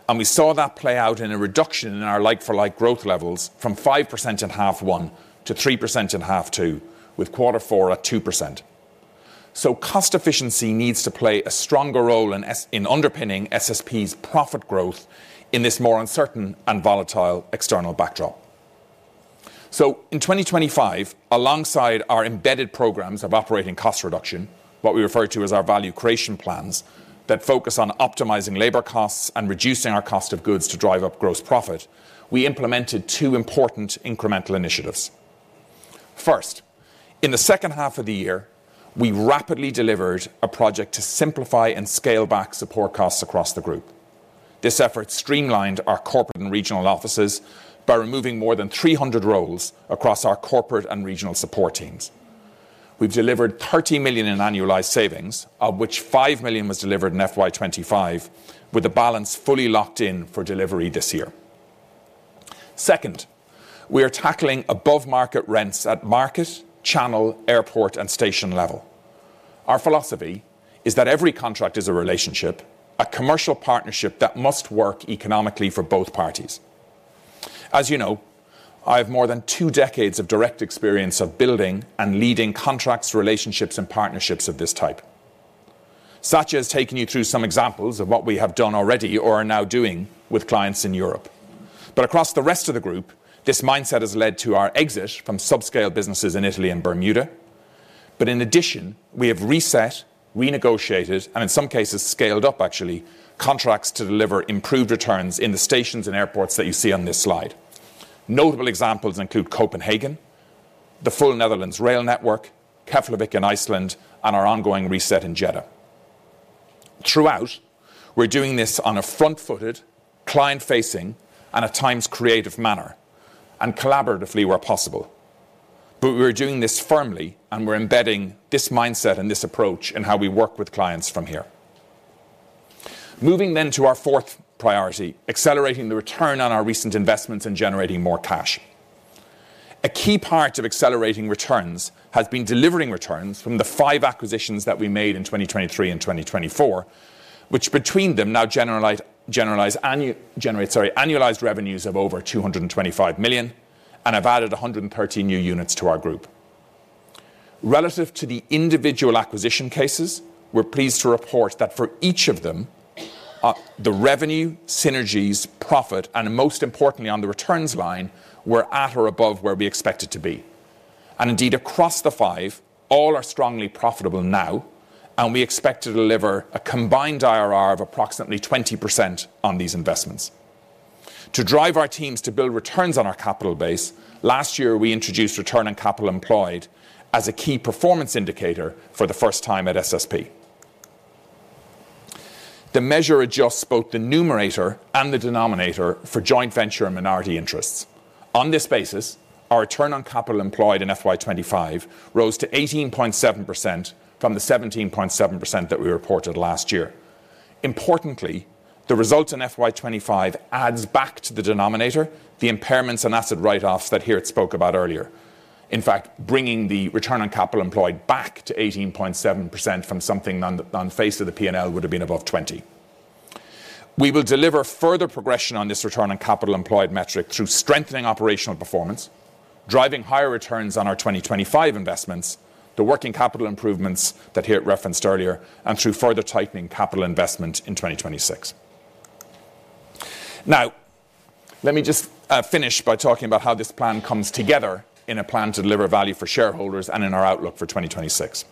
and we saw that play out in a reduction in our like-for-like growth levels from 5% at half one to 3% at half two, with quarter four at 2%. So cost efficiency needs to play a stronger role in underpinning SSP's profit growth in this more uncertain and volatile external backdrop. So in 2025, alongside our embedded programs of operating cost reduction, what we refer to as our value creation plans that focus on optimizing labor costs and reducing our cost of goods to drive up gross profit, we implemented two important incremental initiatives. First, in the second half of the year, we rapidly delivered a project to simplify and scale back support costs across the group. This effort streamlined our corporate and regional offices by removing more than 300 roles across our corporate and regional support teams. We've delivered 30 million in annualized savings, of which 5 million was delivered in FY 2025, with the balance fully locked in for delivery this year. Second, we are tackling above-market rents at market, channel, airport, and station level. Our philosophy is that every contract is a relationship, a commercial partnership that must work economically for both parties. As you know, I have more than two decades of direct experience of building and leading contracts, relationships, and partnerships of this type. Satya has taken you through some examples of what we have done already or are now doing with clients in Europe. But across the rest of the group, this mindset has led to our exit from subscale businesses in Italy and Bermuda. but in addition, we have reset, renegotiated, and in some cases, scaled up, actually, contracts to deliver improved returns in the stations and airports that you see on this slide. Notable examples include Copenhagen, the full Netherlands rail network, Keflavik in Iceland, and our ongoing reset in Jeddah. Throughout, we're doing this on a front-footed, client-facing, and at times creative manner, and collaboratively where possible. but we're doing this firmly, and we're embedding this mindset and this approach in how we work with clients from here. Moving then to our fourth priority, accelerating the return on our recent investments and generating more cash. A key part of accelerating returns has been delivering returns from the five acquisitions that we made in 2023 and 2024, which between them now generate annualized revenues of over 225 million and have added 130 new units to our group. Relative to the individual acquisition cases, we're pleased to report that for each of them, the revenue, synergies, profit, and most importantly, on the returns line, were at or above where we expected to be, and indeed, across the five, all are strongly profitable now, and we expect to deliver a combined IRR of approximately 20% on these investments. To drive our teams to build returns on our capital base, last year, we introduced return on capital employed as a key performance indicator for the first time at SSP. The measure adjusts both the numerator and the denominator for joint venture and minority interests. On this basis, our return on capital employed in FY 2025 rose to 18.7% from the 17.7% that we reported last year. Importantly, the result in FY 2025 adds back to the denominator the impairments and asset write-offs that Hertz spoke about earlier, in fact, bringing the Return on Capital Employed back to 18.7% from something on the face of the P&L would have been above 20%. We will deliver further progression on this Return on Capital Employed metric through strengthening operational performance, driving higher returns on our 2025 investments, the working capital improvements that Hertz referenced earlier, and through further tightening capital investment in 2026. Now, let me just finish by talking about how this plan comes together in a plan to deliver value for shareholders and in our outlook for 2026.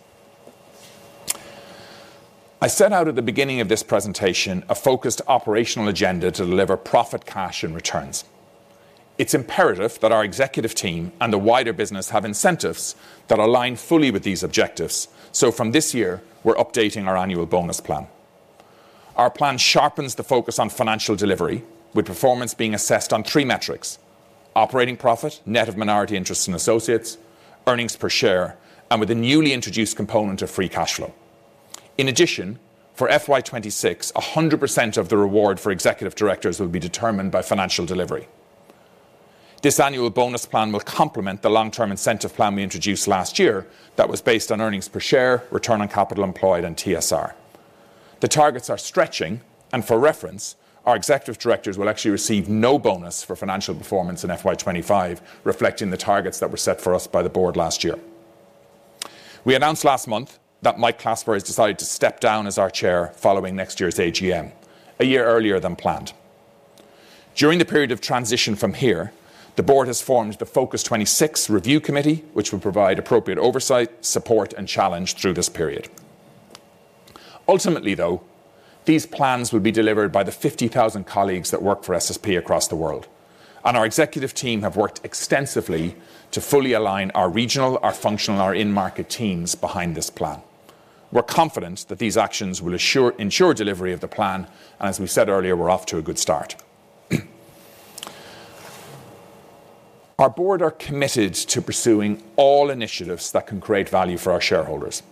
I set out at the beginning of this presentation a focused operational agenda to deliver profit, cash, and returns. It's imperative that our executive team and the wider business have incentives that align fully with these objectives. So from this year, we're updating our annual bonus plan. Our plan sharpens the focus on financial delivery, with performance being assessed on three metrics: operating profit, net of minority interests and associates, earnings per share, and with a newly introduced component of free cash flow. In addition, for FY 2026, 100% of the reward for executive directors will be determined by financial delivery. This annual bonus plan will complement the long-term incentive plan we introduced last year that was based on earnings per share, return on capital employed, and TSR. The targets are stretching, and for reference, our executive directors will actually receive no bonus for financial performance in FY 2025, reflecting the targets that were set for us by the Board last year. We announced last month that Mike Clasper has decided to step down as our Chair following next year's AGM, a year earlier than planned. During the period of transition from here, the Board has formed the Focus 2026 review committee, which will provide appropriate oversight, support, and challenge through this period. Ultimately, though, these plans will be delivered by the 50,000 colleagues that work for SSP across the world, and our executive team have worked extensively to fully align our regional, our functional, and our in-market teams behind this plan. We're confident that these actions will ensure delivery of the plan, and as we said earlier, we're off to a good start. Our Board is committed to pursuing all initiatives that can create value for our shareholders.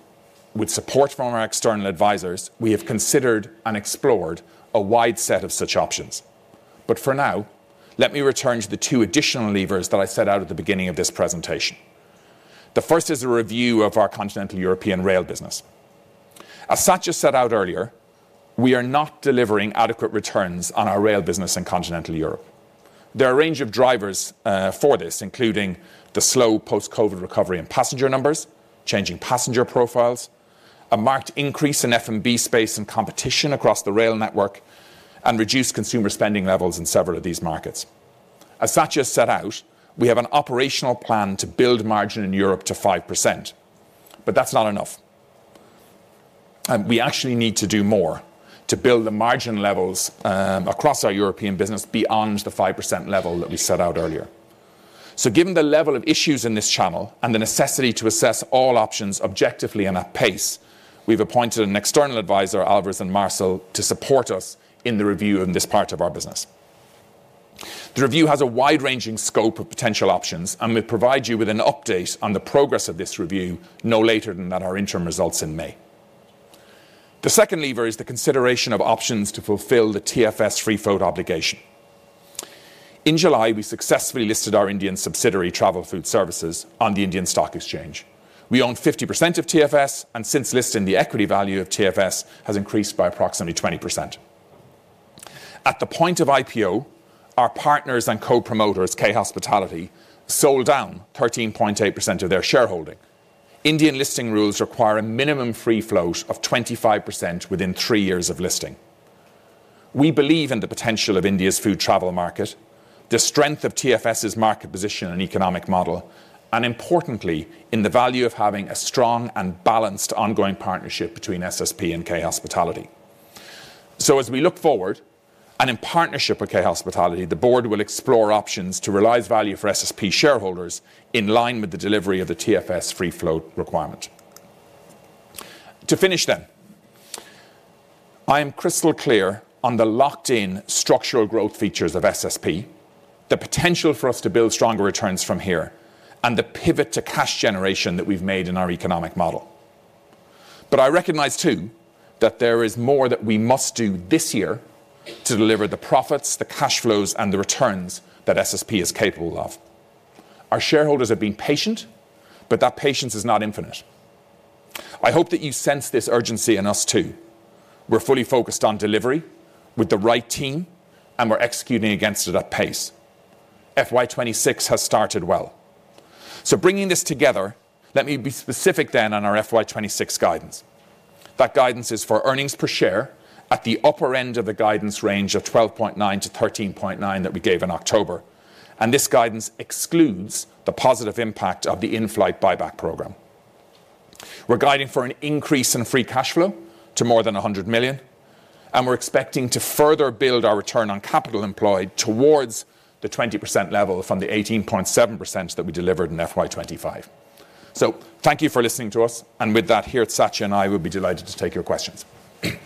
With support from our external advisors, we have considered and explored a wide set of such options. But for now, let me return to the two additional levers that I set out at the beginning of this presentation. The first is a review of our Continental European rail business. As Satya set out earlier, we are not delivering adequate returns on our rail business in Continental Europe. There are a range of drivers for this, including the slow post-COVID recovery in passenger numbers, changing passenger profiles, a marked increase in F&B space and competition across the rail network, and reduced consumer spending levels in several of these markets. As Satya set out, we have an operational plan to build margin in Europe to 5%, but that's not enough. We actually need to do more to build the margin levels across our European business beyond the 5% level that we set out earlier. Given the level of issues in this channel and the necessity to assess all options objectively and at pace, we've appointed an external advisor, Alvarez & Marsal, to support us in the review of this part of our business. The review has a wide-ranging scope of potential options, and we'll provide you with an update on the progress of this review no later than at our interim results in May. The second lever is the consideration of options to fulfill the TFS free-float obligation. In July, we successfully listed our Indian subsidiary, Travel Food Services, on the Indian Stock Exchange. We own 50% of TFS, and since listing, the equity value of TFS has increased by approximately 20%. At the point of IPO, our partners and co-promoters, K Hospitality, sold down 13.8% of their shareholding. Indian listing rules require a minimum free float of 25% within three years of listing. We believe in the potential of India's food travel market, the strength of TFS's market position and economic model, and importantly, in the value of having a strong and balanced ongoing partnership between SSP and K Hospitality. So as we look forward, and in partnership with K Hospitality, the Board will explore options to realize value for SSP shareholders in line with the delivery of the TFS free-float requirement. To finish then, I am crystal clear on the locked-in structural growth features of SSP, the potential for us to build stronger returns from here, and the pivot to cash generation that we've made in our economic model. But I recognize too that there is more that we must do this year to deliver the profits, the cash flows, and the returns that SSP is capable of. Our shareholders have been patient, but that patience is not infinite. I hope that you sense this urgency in us too. We're fully focused on delivery with the right team, and we're executing against it at pace. FY 2026 has started well. So bringing this together, let me be specific then on our FY 2026 guidance. That guidance is for earnings per share at the upper end of the guidance range of 12.9-13.9 that we gave in October, and this guidance excludes the positive impact of the in-flight buyback program. We're guiding for an increase in free cash flow to more than 100 million, and we're expecting to further build our return on capital employed towards the 20% level from the 18.7% that we delivered in FY 2025. So thank you for listening to us, and with that, Geert, Satya, and I will be delighted to take your questions. Great.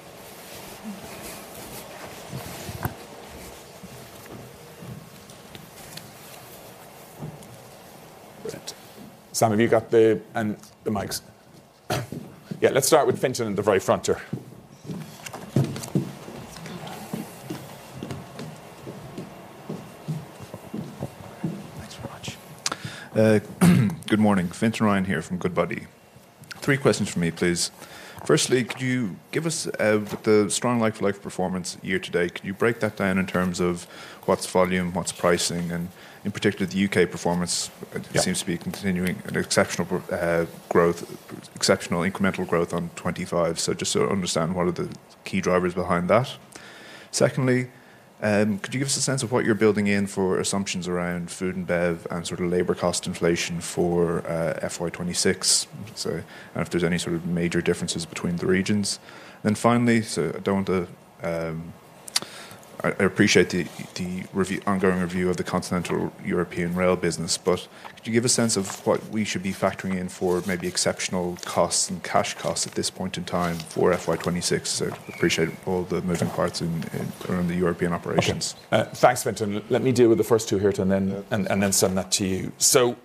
Sam, have you got the mics? Yeah, let's start with Fintan and at the very front here. Thanks very much. Good morning. Fintan Ryan here from Goodbody. Three questions for me, please. Firstly, could you give us the strong like-for-like performance year to date? Could you break that down in terms of what's volume, what's pricing, and in particular, the U.K. performance seems to be continuing an exceptional growth, exceptional incremental growth on 2025. So just to understand what are the key drivers behind that. Secondly, could you give us a sense of what you're building in for assumptions around food and bev and sort of labor cost inflation for FY 2026? And if there's any sort of major differences between the regions? And then finally, so I do appreciate the ongoing review of the continental European rail business, but could you give a sense of what we should be factoring in for maybe exceptional costs and cash costs at this point in time for FY 2026? So appreciate all the moving parts around the European operations. Thanks, Fintan. Let me deal with the first two here and then send that to you. So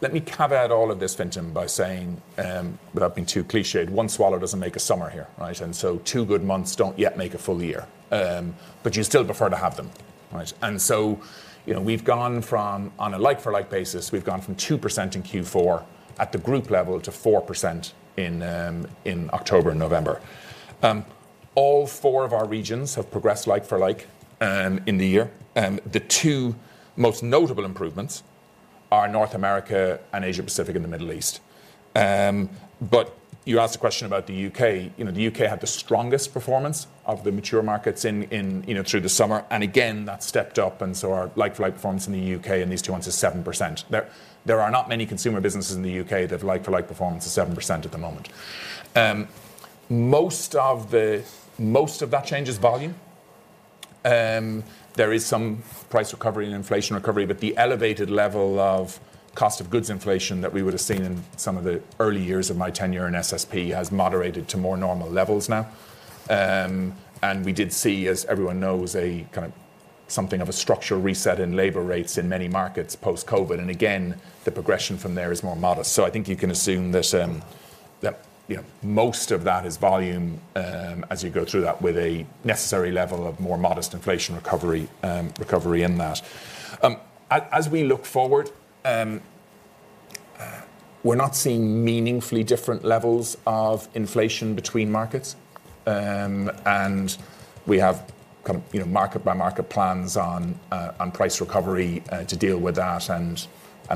let me caveat all of this, Fintan, by saying, without being too clichéd, one swallow doesn't make a summer here, right? And so two good months don't yet make a full year, but you still prefer to have them, right? and so we've gone from, on a like-for-like basis, we've gone from 2% in Q4 at the group level to 4% in October and November. All four of our regions have progressed like-for-like in the year. The two most notable improvements are North America, Asia-Pacific, and the Middle East. but you asked the question about the UK. The U.K. had the strongest performance of the mature markets through the summer, and again, that stepped up, and so our like-for-like performance in the U.K. in these two months is 7%. There are not many consumer businesses in the U.K. that have like-for-like performance of 7% at the moment. Most of that change is volume. There is some price recovery and inflation recovery, but the elevated level of cost of goods inflation that we would have seen in some of the early years of my tenure in SSP has moderated to more normal levels now, and we did see, as everyone knows, a kind of something of a structural reset in labor rates in many markets post-COVID, and again, the progression from there is more modest, so I think you can assume that most of that is volume as you go through that with a necessary level of more modest inflation recovery in that. As we look forward, we're not seeing meaningfully different levels of inflation between markets, and we have market-by-market plans on price recovery to deal with that and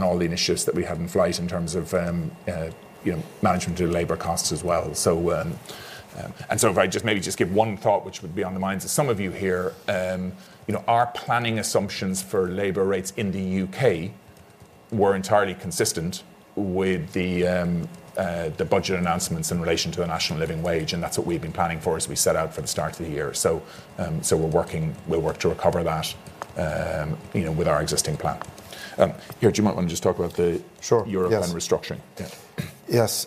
all the initiatives that we have in flight in terms of management of labor costs as well. And so if I just maybe give one thought which would be on the minds of some of you here, our planning assumptions for labor rates in the U.K. were entirely consistent with the budget announcements in relation to the national living wage, and that's what we've been planning for as we set out for the start of the year. So we'll work to recover that with our existing plan. Here, you might want to just talk about Europe and restructuring? Yes.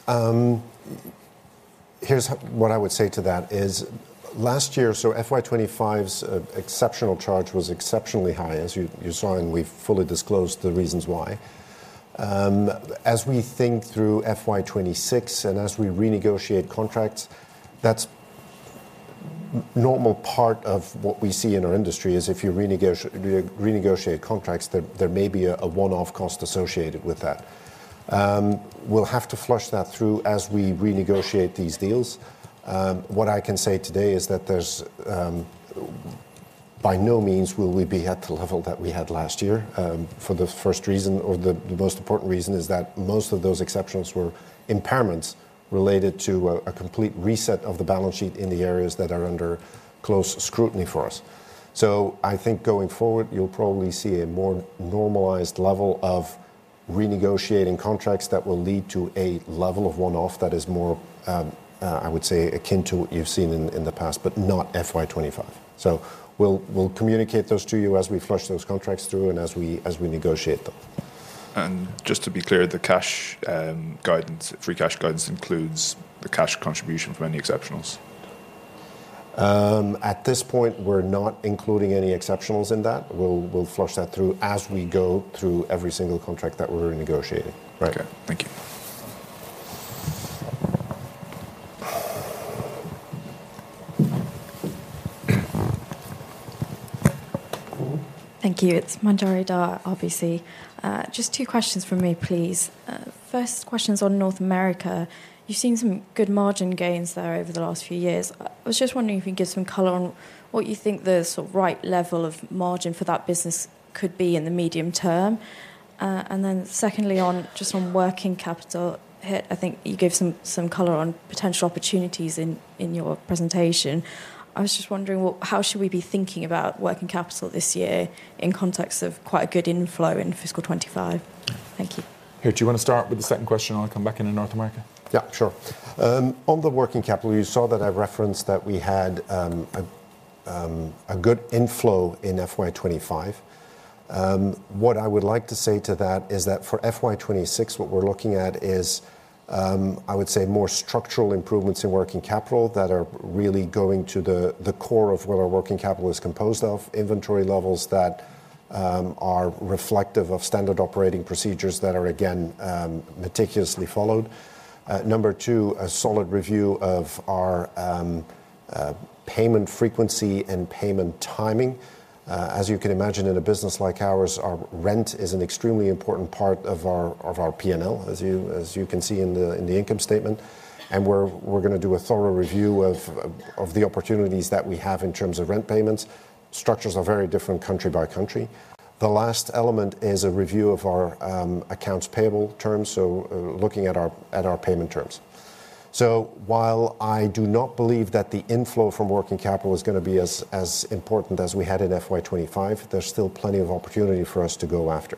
Here's what I would say to that is last year, so FY 2025's exceptional charge was exceptionally high, as you saw, and we've fully disclosed the reasons why. As we think through FY 2026 and as we renegotiate contracts, that's a normal part of what we see in our industry is if you renegotiate contracts, there may be a one-off cost associated with that. We'll have to flush that through as we renegotiate these deals. What I can say today is that by no means will we be at the level that we had last year. For the first reason, or the most important reason, is that most of those exceptions were impairments related to a complete reset of the balance sheet in the areas that are under close scrutiny for us. So I think going forward, you'll probably see a more normalized level of renegotiating contracts that will lead to a level of one-off that is more, I would say, akin to what you've seen in the past, but not FY 2025. So we'll communicate those to you as we flush those contracts through and as we negotiate them. And just to be clear, the cash guidance, free cash guidance includes the cash contribution for any exceptionals? At this point, we're not including any exceptionals in that. We'll flush that through as we go through every single contract that we're renegotiating. Right. Okay. Thank you. Thank you. It's Manjari Dhar, RBC. Just two questions from me, please. First, questions on North America. You've seen some good margin gains there over the last few years. I was just wondering if you can give some color on what you think the sort of right level of margin for that business could be in the medium term. And then secondly, just on working capital, I think you gave some color on potential opportunities in your presentation. I was just wondering, how should we be thinking about working capital this year in context of quite a good inflow in fiscal 2025? Thank you. Geert, do you want to start with the second question? I'll come back in in North America. Yeah, sure. On the working capital, you saw that I referenced that we had a good inflow in FY 2025. What I would like to say to that is that for FY 2026, what we're looking at is, I would say, more structural improvements in working capital that are really going to the core of what our working capital is composed of, inventory levels that are reflective of standard operating procedures that are, again, meticulously followed. Number two, a solid review of our payment frequency and payment timing. As you can imagine, in a business like ours, our rent is an extremely important part of our P&L, as you can see in the income statement, and we're going to do a thorough review of the opportunities that we have in terms of rent payments. Structures are very different country by country. The last element is a review of our accounts payable terms, so looking at our payment terms. So while I do not believe that the inflow from working capital is going to be as important as we had in FY 2025, there's still plenty of opportunity for us to go after.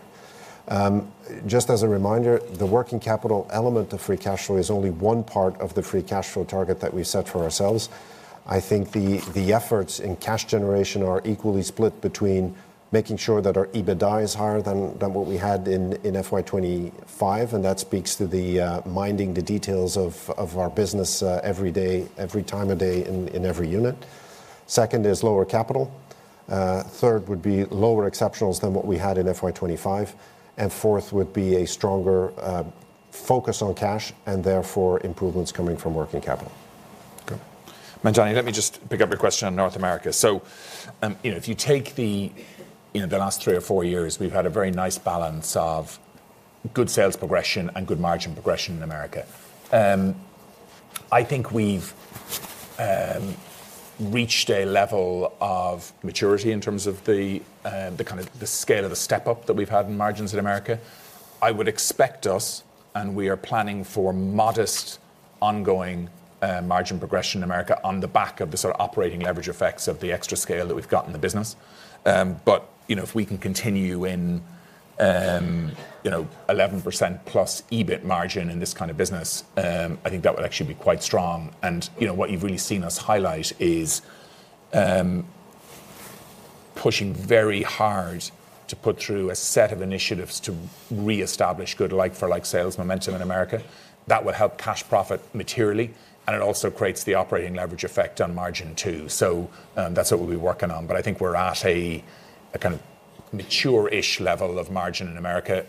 Just as a reminder, the working capital element of free cash flow is only one part of the free cash flow target that we set for ourselves. I think the efforts in cash generation are equally split between making sure that our EBITDA is higher than what we had in FY 2025, and that speaks to minding the details of our business every day, every time of day in every unit. Second is lower capital. Third would be lower exceptionals than what we had in FY 2025. Fourth would be a stronger focus on cash and therefore improvements coming from working capital. Manjari, let me just pick up your question on North America. So if you take the last three or four years, we've had a very nice balance of good sales progression and good margin progression in America. I think we've reached a level of maturity in terms of the kind of the scale of the step-up that we've had in margins in America. I would expect us, and we are planning for modest ongoing margin progression in America on the back of the sort of operating leverage effects of the extra scale that we've got in the business. But if we can continue in 11% plus EBIT margin in this kind of business, I think that would actually be quite strong. And what you've really seen us highlight is pushing very hard to put through a set of initiatives to reestablish good like-for-like sales momentum in America. That will help cash profit materially, and it also creates the operating leverage effect on margin too. So that's what we'll be working on. But I think we're at a kind of mature-ish level of margin in America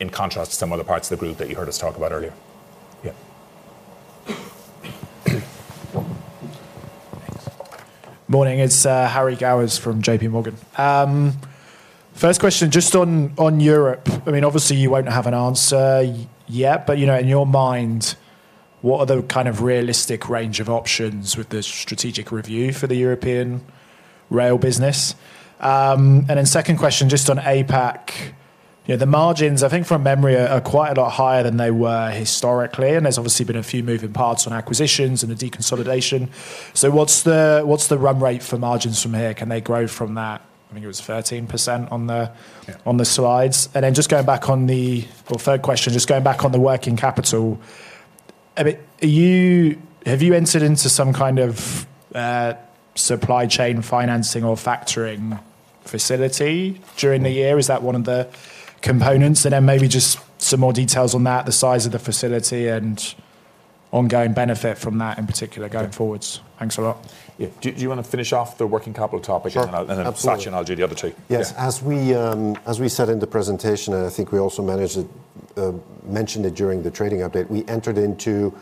in contrast to some of the parts of the group that you heard us talk about earlier. Morning. It's Harry Gowers from J.P. Morgan. First question, just on Europe. I mean, obviously, you won't have an answer yet, but in your mind, what are the kind of realistic range of options with the strategic review for the European rail business? And then, second question, just on APAC, the margins, I think from memory, are quite a lot higher than they were historically, and there's obviously been a few moving parts on acquisitions and the deconsolidation. So, what's the run rate for margins from here? Can they grow from that? I think it was 13% on the slides. And then, just going back on the third question, just going back on the working capital, have you entered into some kind of supply chain financing or factoring facility during the year? Is that one of the components? And then, maybe just some more details on that, the size of the facility and ongoing benefit from that in particular going forward. Thanks a lot. Do you want to finish off the working capital topic and then I'll do the other two. Yes. As we said in the presentation, and I think we also mentioned it during the trading update, we entered into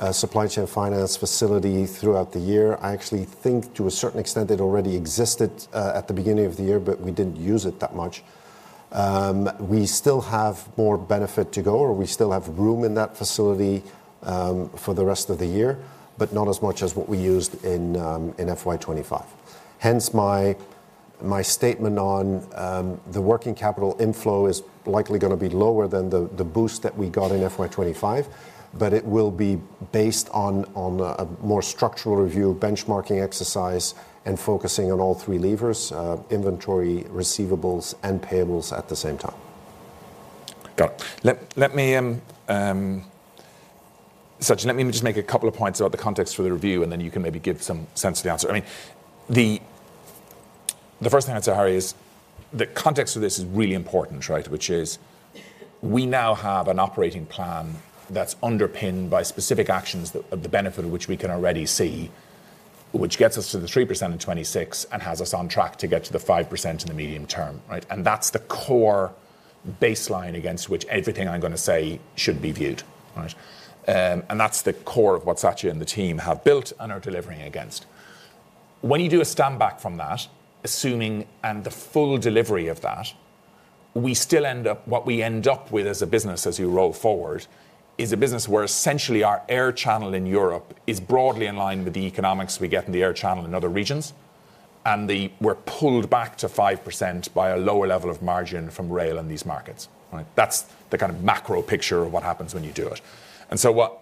a supply chain finance facility throughout the year. I actually think to a certain extent it already existed at the beginning of the year, but we didn't use it that much. We still have more benefit to go, or we still have room in that facility for the rest of the year, but not as much as what we used in FY 2025. Hence, my statement on the working capital inflow is likely going to be lower than the boost that we got in FY 2025, but it will be based on a more structural review, benchmarking exercise, and focusing on all three levers, inventory, receivables, and payables at the same time. Got it. Let me just make a couple of points about the context for the review, and then you can maybe give some sense of the answer. I mean, the first thing I'd say, Harry, is the context of this is really important, right? Which is we now have an operating plan that's underpinned by specific actions of the benefit of which we can already see, which gets us to the 3% in 2026 and has us on track to get to the 5% in the medium term, right? And that's the core baseline against which everything I'm going to say should be viewed, right? And that's the core of what Satya and the team have built and are delivering against. When you do a step back from that, assuming the full delivery of that, we still end up with what we end up with as a business as you roll forward is a business where essentially our air channel in Europe is broadly in line with the economics we get in the air channel in other regions, and we're pulled back to 5% by a lower level of margin from rail in these markets, right? That's the kind of macro picture of what happens when you do it. So what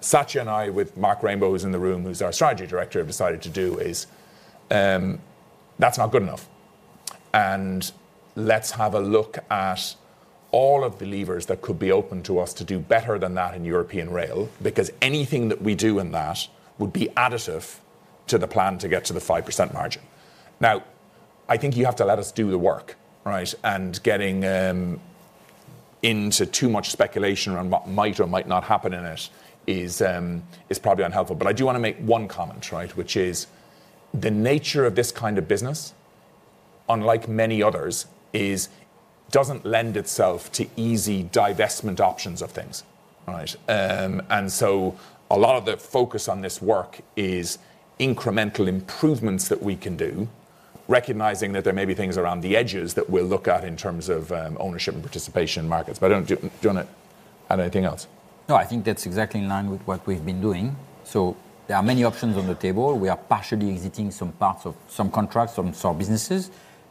Satya and I with Mark Rainbow who's in the room, who's our strategy director, have decided to do is that's not good enough. Let's have a look at all of the levers that could be open to us to do better than that in European rail because anything that we do in that would be additive to the plan to get to the 5% margin. Now, I think you have to let us do the work, right? And getting into too much speculation around what might or might not happen in it is probably unhelpful. But I do want to make one comment, right? Which is the nature of this kind of business, unlike many others, doesn't lend itself to easy divestment options of things, right? And so a lot of the focus on this work is incremental improvements that we can do, recognizing that there may be things around the edges that we'll look at in terms of ownership and participation in markets. But I don't want to add anything else. No, I think that's exactly in line with what we've been doing. So there are many options on the table. We are partially exiting some parts of some contracts, some businesses,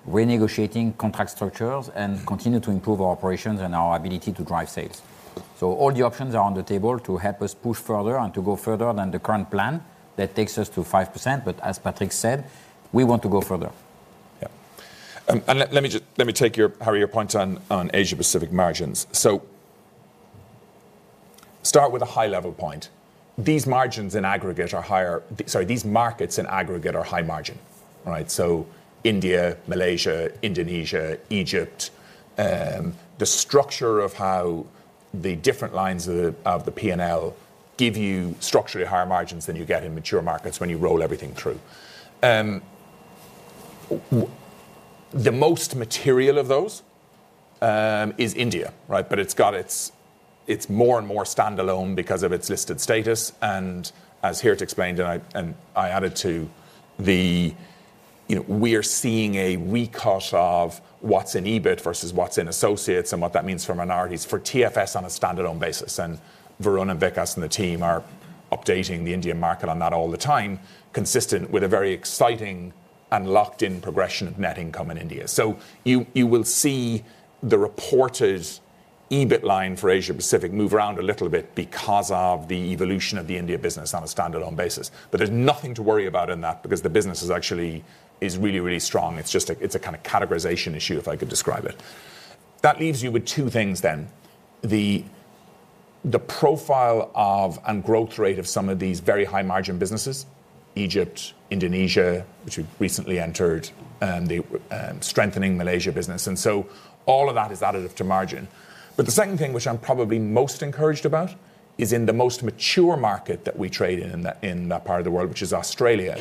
renegotiating contract structures, and continue to improve our operations and our ability to drive sales. So all the options are on the table to help us push further and to go further than the current plan that takes us to 5%. But as Patrick said, we want to go further. Yeah. And let me take your, Harry, your point on Asia-Pacific margins. So start with a high-level point. These margins in aggregate are higher. Sorry, these markets in aggregate are high margin, right? So India, Malaysia, Indonesia, Egypt, the structure of how the different lines of the P&L give you structurally higher margins than you get in mature markets when you roll everything through. The most material of those is India, right? But it's getting more and more standalone because of its listed status. And as we're here to explain, and I wanted to add that we are seeing a recut of what's in EBIT versus what's in associates and what that means for minorities for TFS on a standalone basis. And Varun and Vikas and the team are updating the Indian market on that all the time, consistent with a very exciting and locked-in progression of net income in India. So you will see the reported EBIT line for Asia-Pacific move around a little bit because of the evolution of the India business on a standalone basis. But there's nothing to worry about in that because the business is actually really, really strong. It's just a kind of categorization issue, if I could describe it. That leaves you with two things then. The profile of and growth rate of some of these very high-margin businesses, Egypt, Indonesia, which we recently entered, and the strengthening Malaysia business. All of that is additive to margin. The second thing, which I'm probably most encouraged about, is in the most mature market that we trade in that part of the world, which is Australia.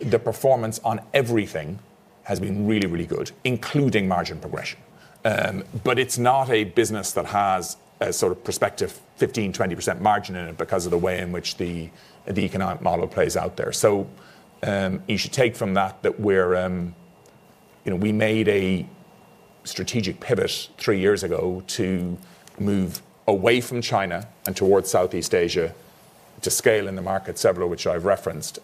The performance on everything has been really, really good, including margin progression. It's not a business that has a sort of prospective 15%-20% margin in it because of the way in which the economic model plays out there. You should take from that that we made a strategic pivot three years ago to move away from China and towards Southeast Asia to scale in the market, several of which I've referenced.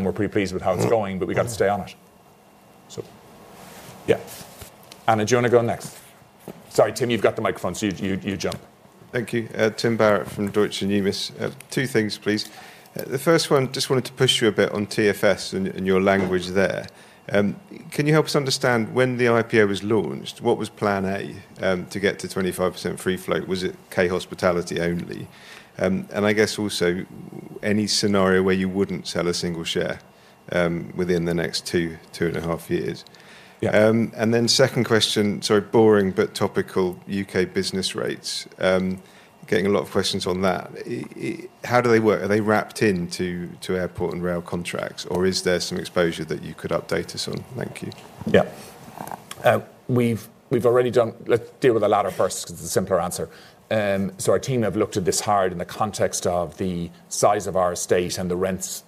We're pretty pleased with how it's going, but we got to stay on it. So, yeah. Anna, do you want to go next? Sorry, Tim, you've got the microphone, so you jump. Thank you. Tim Barrett from Deutsche Numis. Two things, please. The first one, just wanted to push you a bit on TFS and your language there. Can you help us understand when the IPO was launched? What was plan A to get to 25% free float? Was it K Hospitality only? And I guess also any scenario where you wouldn't sell a single share within the next two, two and a half years. And then second question, sorry, boring but topical, U.K. business rates. Getting a lot of questions on that. How do they work? Are they wrapped into airport and rail contracts, or is there some exposure that you could update us on? Thank you. Yeah. We've already done, let's deal with the latter first because it's a simpler answer. So our team have looked at this hard in the context of the size of our estate and the rents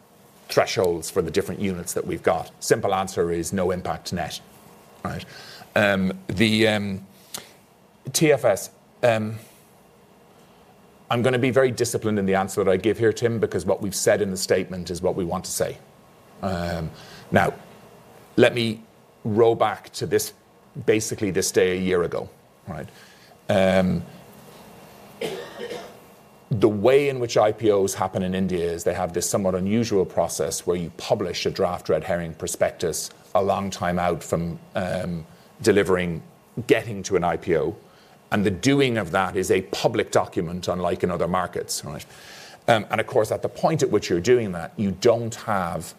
thresholds for the different units that we've got. Simple answer is no impact net, right? The TFS, I'm going to be very disciplined in the answer that I give here, Tim, because what we've said in the statement is what we want to say. Now, let me roll back to basically this day a year ago, right? The way in which IPOs happen in India is they have this somewhat unusual process where you publish a draft Red Herring Prospectus a long time out from delivering, getting to an IPO. And the doing of that is a public document unlike in other markets, right? And of course, at the point at which you're doing that, you don't have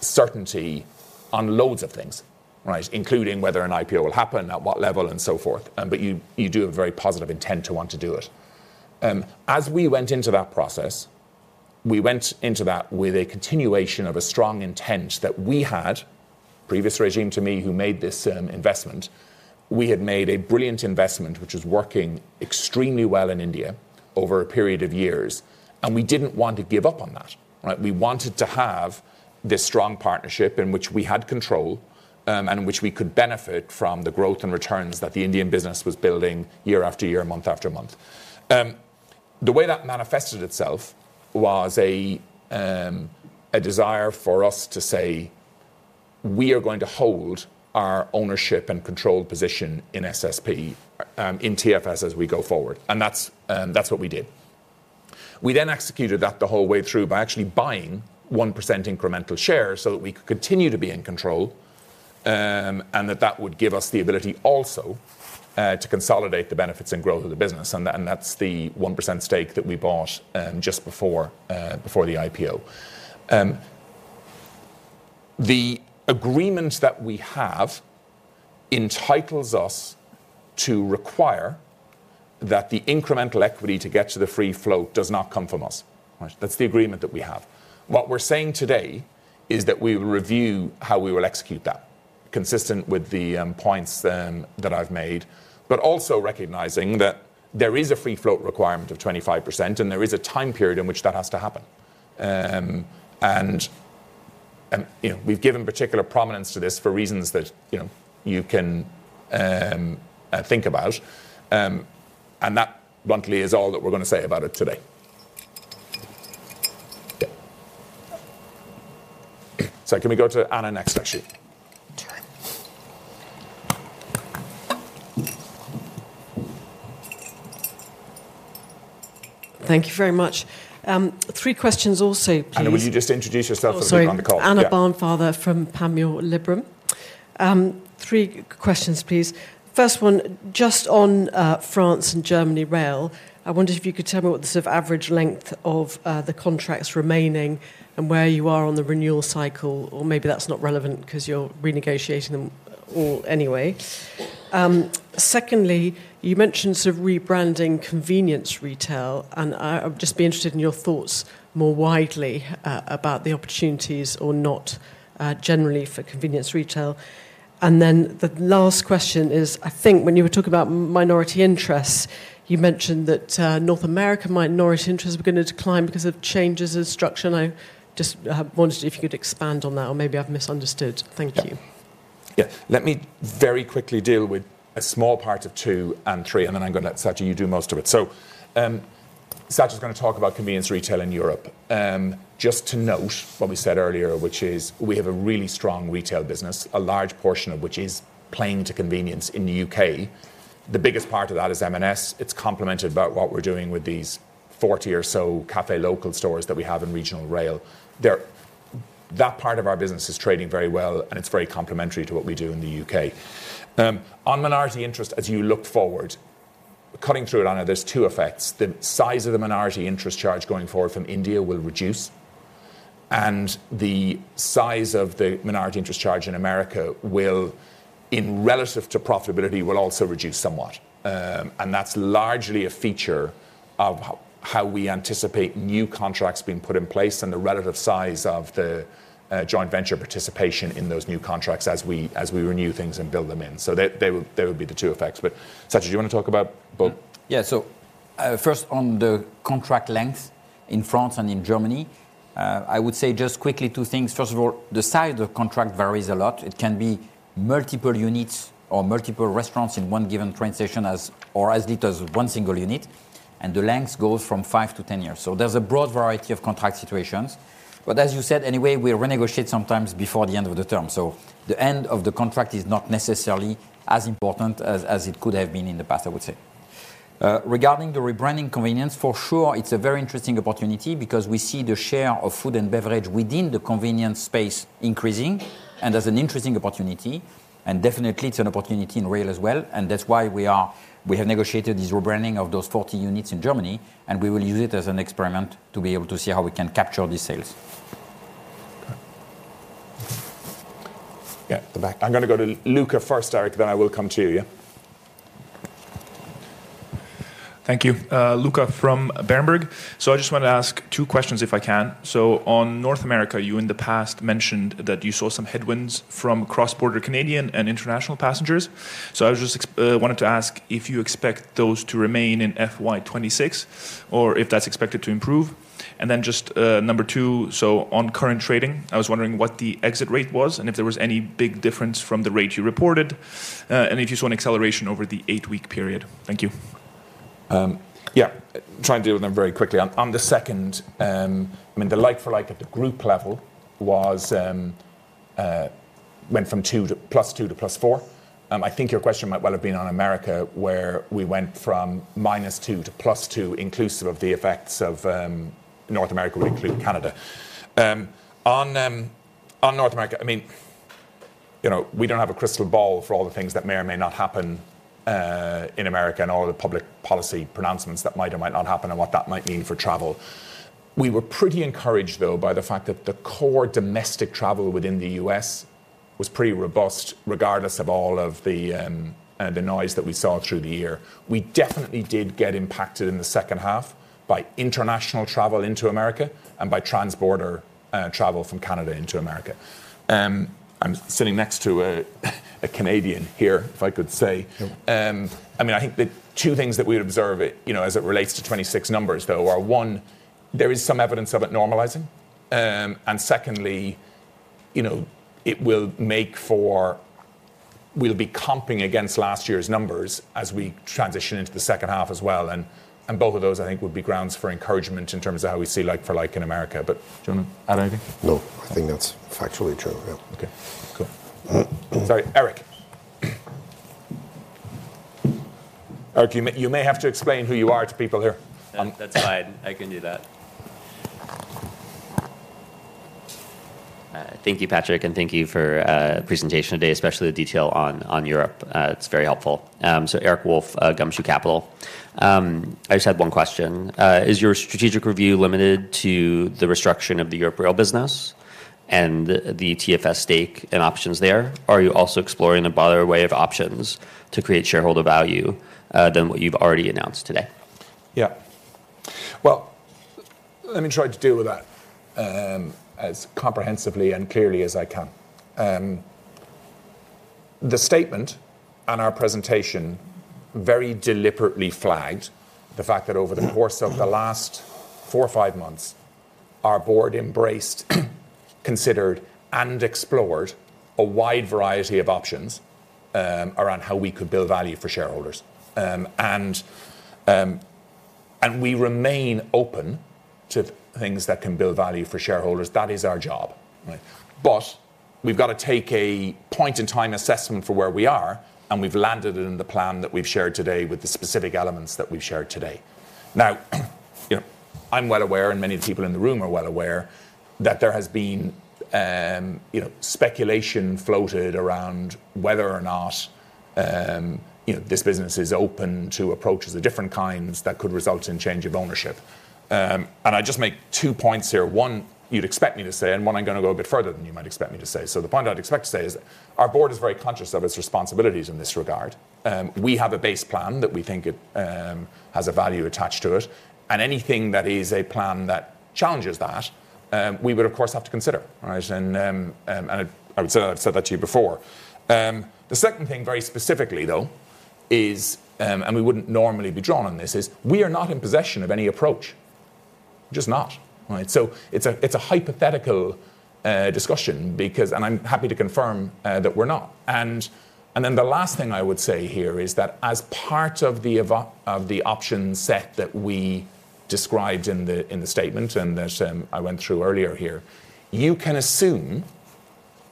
certainty on loads of things, right? Including whether an IPO will happen, at what level, and so forth. But you do have a very positive intent to want to do it. As we went into that process, we went into that with a continuation of a strong intent that we had, previous regime to me who made this investment. We had made a brilliant investment, which was working extremely well in India over a period of years. And we didn't want to give up on that, right? We wanted to have this strong partnership in which we had control and in which we could benefit from the growth and returns that the Indian business was building year after year, month after month. The way that manifested itself was a desire for us to say, we are going to hold our ownership and control position in SSP in TFS as we go forward. That's what we did. We then executed that the whole way through by actually buying 1% incremental shares so that we could continue to be in control and that that would give us the ability also to consolidate the benefits and growth of the business. That's the 1% stake that we bought just before the IPO. The agreement that we have entitles us to require that the incremental equity to get to the free float does not come from us, right? That's the agreement that we have. What we're saying today is that we will review how we will execute that, consistent with the points that I've made, but also recognizing that there is a free float requirement of 25% and there is a time period in which that has to happen. We've given particular prominence to this for reasons that you can think about. That bluntly is all that we're going to say about it today. Yeah. So can we go to Anna next, actually? Thank you very much. Three questions also, please. Anna, would you just introduce yourself and be on the call? Sorry, Anna Barnfather from Panmure Liberum. Three questions, please. First one, just on France and Germany rail, I wondered if you could tell me what the sort of average length of the contracts remaining and where you are on the renewal cycle, or maybe that's not relevant because you're renegotiating them all anyway. Secondly, you mentioned sort of rebranding convenience retail, and I would just be interested in your thoughts more widely about the opportunities or not generally for convenience retail. And then the last question is, I think, when you were talking about minority interests, you mentioned that North America minority interests were going to decline because of changes in structure. And I just wondered if you could expand on that or maybe I've misunderstood. Thank you. Yeah. Let me very quickly deal with a small part of two and three, and then I'm going to let Satya do most of it. So Satya is going to talk about convenience retail in Europe. Just to note what we said earlier, which is we have a really strong retail business, a large portion of which is plane to convenience in the U.K. The biggest part of that is M&S. It's complemented by what we're doing with these 40 or so Café Local stores that we have in regional rail. That part of our business is trading very well, and it's very complementary to what we do in the U.K. On minority interest, as you look forward, cutting through it, Anna, there's two effects. The size of the minority interest charge going forward from India will reduce, and the size of the minority interest charge in America will, in relative to profitability, will also reduce somewhat. And that's largely a feature of how we anticipate new contracts being put in place and the relative size of the joint venture participation in those new contracts as we renew things and build them in. So there would be the two effects. But Satya, do you want to talk about both? Yeah. So first, on the contract length in France and in Germany, I would say just quickly two things. First of all, the size of the contract varies a lot. It can be multiple units or multiple restaurants in one given train station or as little as one single unit. And the length goes from five to 10 years. So there's a broad variety of contract situations. But as you said, anyway, we renegotiate sometimes before the end of the term. So the end of the contract is not necessarily as important as it could have been in the past, I would say. Regarding the rebranding convenience, for sure, it's a very interesting opportunity because we see the share of food and beverage within the convenience space increasing and as an interesting opportunity. And definitely, it's an opportunity in rail as well. And that's why we have negotiated this rebranding of those 40 units in Germany, and we will use it as an experiment to be able to see how we can capture these sales. Yeah, the back. I'm going to go to Luca first, Eric, then I will come to you. Thank you. Luca from Berenberg. So I just want to ask two questions if I can. So on North America, you in the past mentioned that you saw some headwinds from cross-border Canadian and international passengers. So I just wanted to ask if you expect those to remain in FY 2026 or if that's expected to improve. And then just number two, so on current trading, I was wondering what the exit rate was and if there was any big difference from the rate you reported and if you saw an acceleration over the eight-week period. Thank you. Yeah, trying to deal with them very quickly. On the second, I mean, the like-for-like at the group level went from +2% to +4%. I think your question might well have been on America, where we went from -2% to +2%, inclusive of the effects of North America, would include Canada. On North America, I mean, we don't have a crystal ball for all the things that may or may not happen in America and all the public policy pronouncements that might or might not happen and what that might mean for travel. We were pretty encouraged, though, by the fact that the core domestic travel within the U.S. was pretty robust, regardless of all of the noise that we saw through the year. We definitely did get impacted in the second half by international travel into America and by trans-border travel from Canada into America. I'm sitting next to a Canadian here, if I could say. I mean, I think the two things that we observe as it relates to 2026 numbers, though, are one, there is some evidence of it normalizing. And secondly, it will make for we'll be comping against last year's numbers as we transition into the second half as well. And both of those, I think, would be grounds for encouragement in terms of how we see like-for-like in America. But Jonah, add anything? No, I think that's factually true, yeah. Okay. Cool. Sorry, Eric. Eric, you may have to explain who you are to people here. That's fine. I can do that. Thank you, Patrick, and thank you for the presentation today, especially the detail on Europe. It's very helpful. So Eric Wolf, Gumshoe Capital. I just had one question. Is your strategic review limited to the restructuring of the Europe rail business and the TFS stake and options there? Are you also exploring a broader way of options to create shareholder value than what you've already announced today? Yeah. Well, let me try to deal with that as comprehensively and clearly as I can. The statement and our presentation very deliberately flagged the fact that over the course of the last four or five months, our Board embraced, considered, and explored a wide variety of options around how we could build value for shareholders. And we remain open to things that can build value for shareholders. That is our job, right? But we've got to take a point-in-time assessment for where we are, and we've landed in the plan that we've shared today with the specific elements that we've shared today. Now, I'm well aware, and many of the people in the room are well aware, that there has been speculation floated around whether or not this business is open to approaches of different kinds that could result in change of ownership. And I just make two points here. One, you'd expect me to say, and one, I'm going to go a bit further than you might expect me to say. So the point I'd expect to say is our Board is very conscious of its responsibilities in this regard. We have a base plan that we think has a value attached to it. And anything that is a plan that challenges that, we would, of course, have to consider, right? And I would say I've said that to you before. The second thing, very specifically, though, is, and we wouldn't normally be drawn on this, is we are not in possession of any approach, just not, right? So it's a hypothetical discussion because, and I'm happy to confirm that we're not. And then the last thing I would say here is that as part of the option set that we described in the statement and that I went through earlier here, you can assume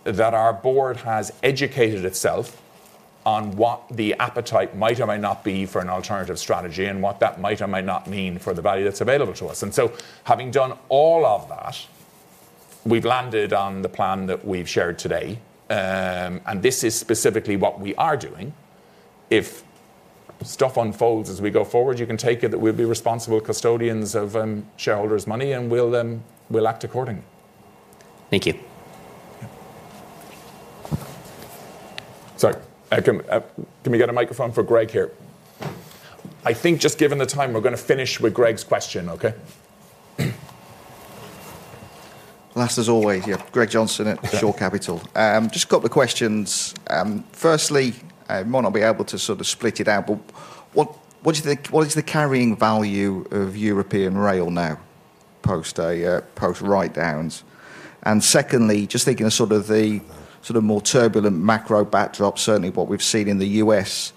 that our Board has educated itself on what the appetite might or might not be for an alternative strategy and what that might or might not mean for the value that's available to us. And so having done all of that, we've landed on the plan that we've shared today. And this is specifically what we are doing. If stuff unfolds as we go forward, you can take it that we'll be responsible custodians of shareholders' money, and we'll act accordingly. Thank you. Sorry, can we get a microphone for Greg here? I think just given the time, we're going to finish with Greg's question, okay? Last as always, yeah, Greg Johnson at Shore Capital. Just a couple of questions. Firstly, I might not be able to sort of split it out, but what is the carrying value of European rail now post write-downs? And secondly, just thinking of sort of the sort of more turbulent macro backdrop, certainly what we've seen in the U.S.,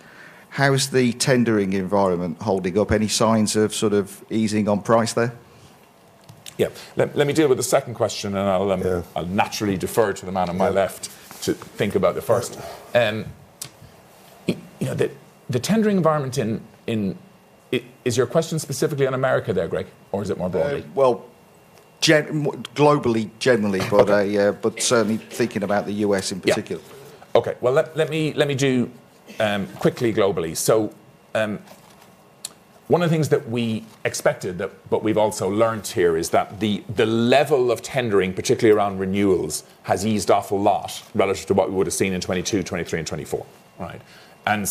how is the tendering environment holding up? Any signs of sort of easing on price there? Yeah, let me deal with the second question, and I'll naturally defer to the man on my left to think about the first. The tendering environment, is your question specifically on America there, Greg, or is it more broadly? Well, globally, generally, but certainly thinking about the U.S. in particular. Okay, well, let me do quickly globally. So one of the things that we expected, but we've also learned here, is that the level of tendering, particularly around renewals, has eased off a lot relative to what we would have seen in 2022, 2023, and 2024, right? And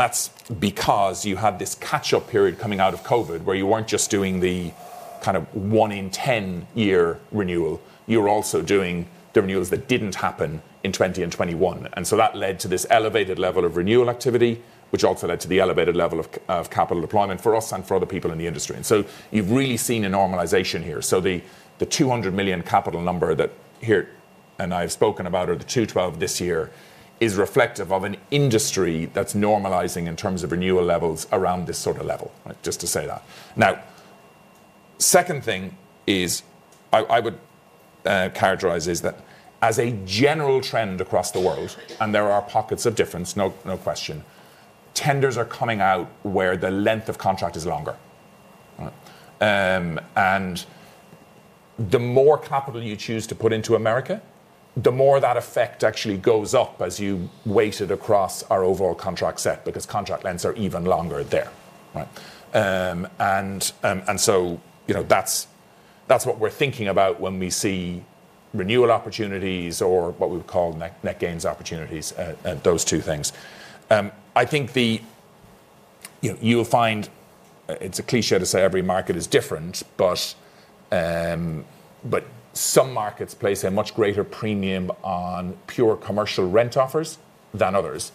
that's because you had this catch-up period coming out of COVID where you weren't just doing the kind of one-in-ten-year renewal. You were also doing the renewals that didn't happen in 2020 and 2021. And so that led to this elevated level of renewal activity, which also led to the elevated level of capital deployment for us and for other people in the industry. And so you've really seen a normalization here. The 200 million capital number that Geert and I have spoken about is the 212 this year is reflective of an industry that's normalizing in terms of renewal levels around this sort of level, just to say that. Now, the second thing is I would characterize that as a general trend across the world, and there are pockets of difference, no question. Tenders are coming out where the length of contract is longer. And the more capital you choose to put into America, the more that effect actually goes up as you weight it across our overall contract set because contract lengths are even longer there, right? That's what we're thinking about when we see renewal opportunities or what we would call net gains opportunities, those two things. I think you'll find it's a cliché to say every market is different, but some markets place a much greater premium on pure commercial rent offers than others.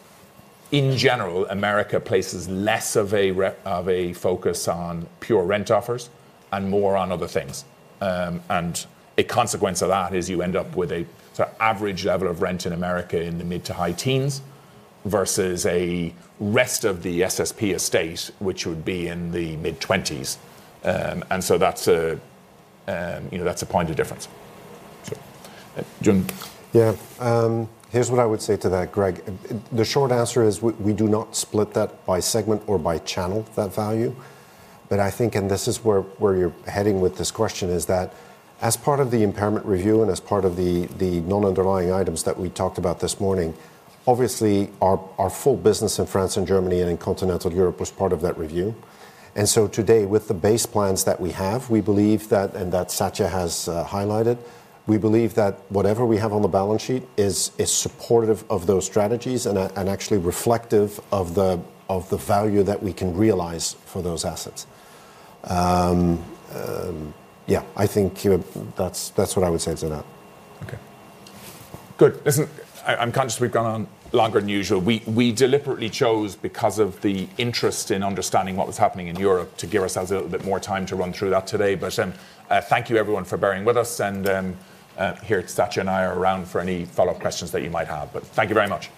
In general, America places less of a focus on pure rent offers and more on other things. And a consequence of that is you end up with an average level of rent in America in the mid- to high-teens versus the rest of the SSP estate, which would be in the mid-20s. And so that's a point of difference. Geert. Yeah, here's what I would say to that, Greg. The short answer is we do not split that by segment or by channel, that value. But I think, and this is where you're heading with this question, is that as part of the impairment review and as part of the non-underlying items that we talked about this morning, obviously, our full business in France and Germany and in Continental Europe was part of that review. And so today, with the base plans that we have, we believe that, and that Satya has highlighted, we believe that whatever we have on the balance sheet is supportive of those strategies and actually reflective of the value that we can realize for those assets. Yeah, I think that's what I would say to that. Okay. Good. Listen, I'm conscious we've gone on longer than usual. We deliberately chose, because of the interest in understanding what was happening in Europe, to give ourselves a little bit more time to run through that today. But thank you, everyone, for bearing with us. And here's Satya and I are around for any follow-up questions that you might have. But thank you very much.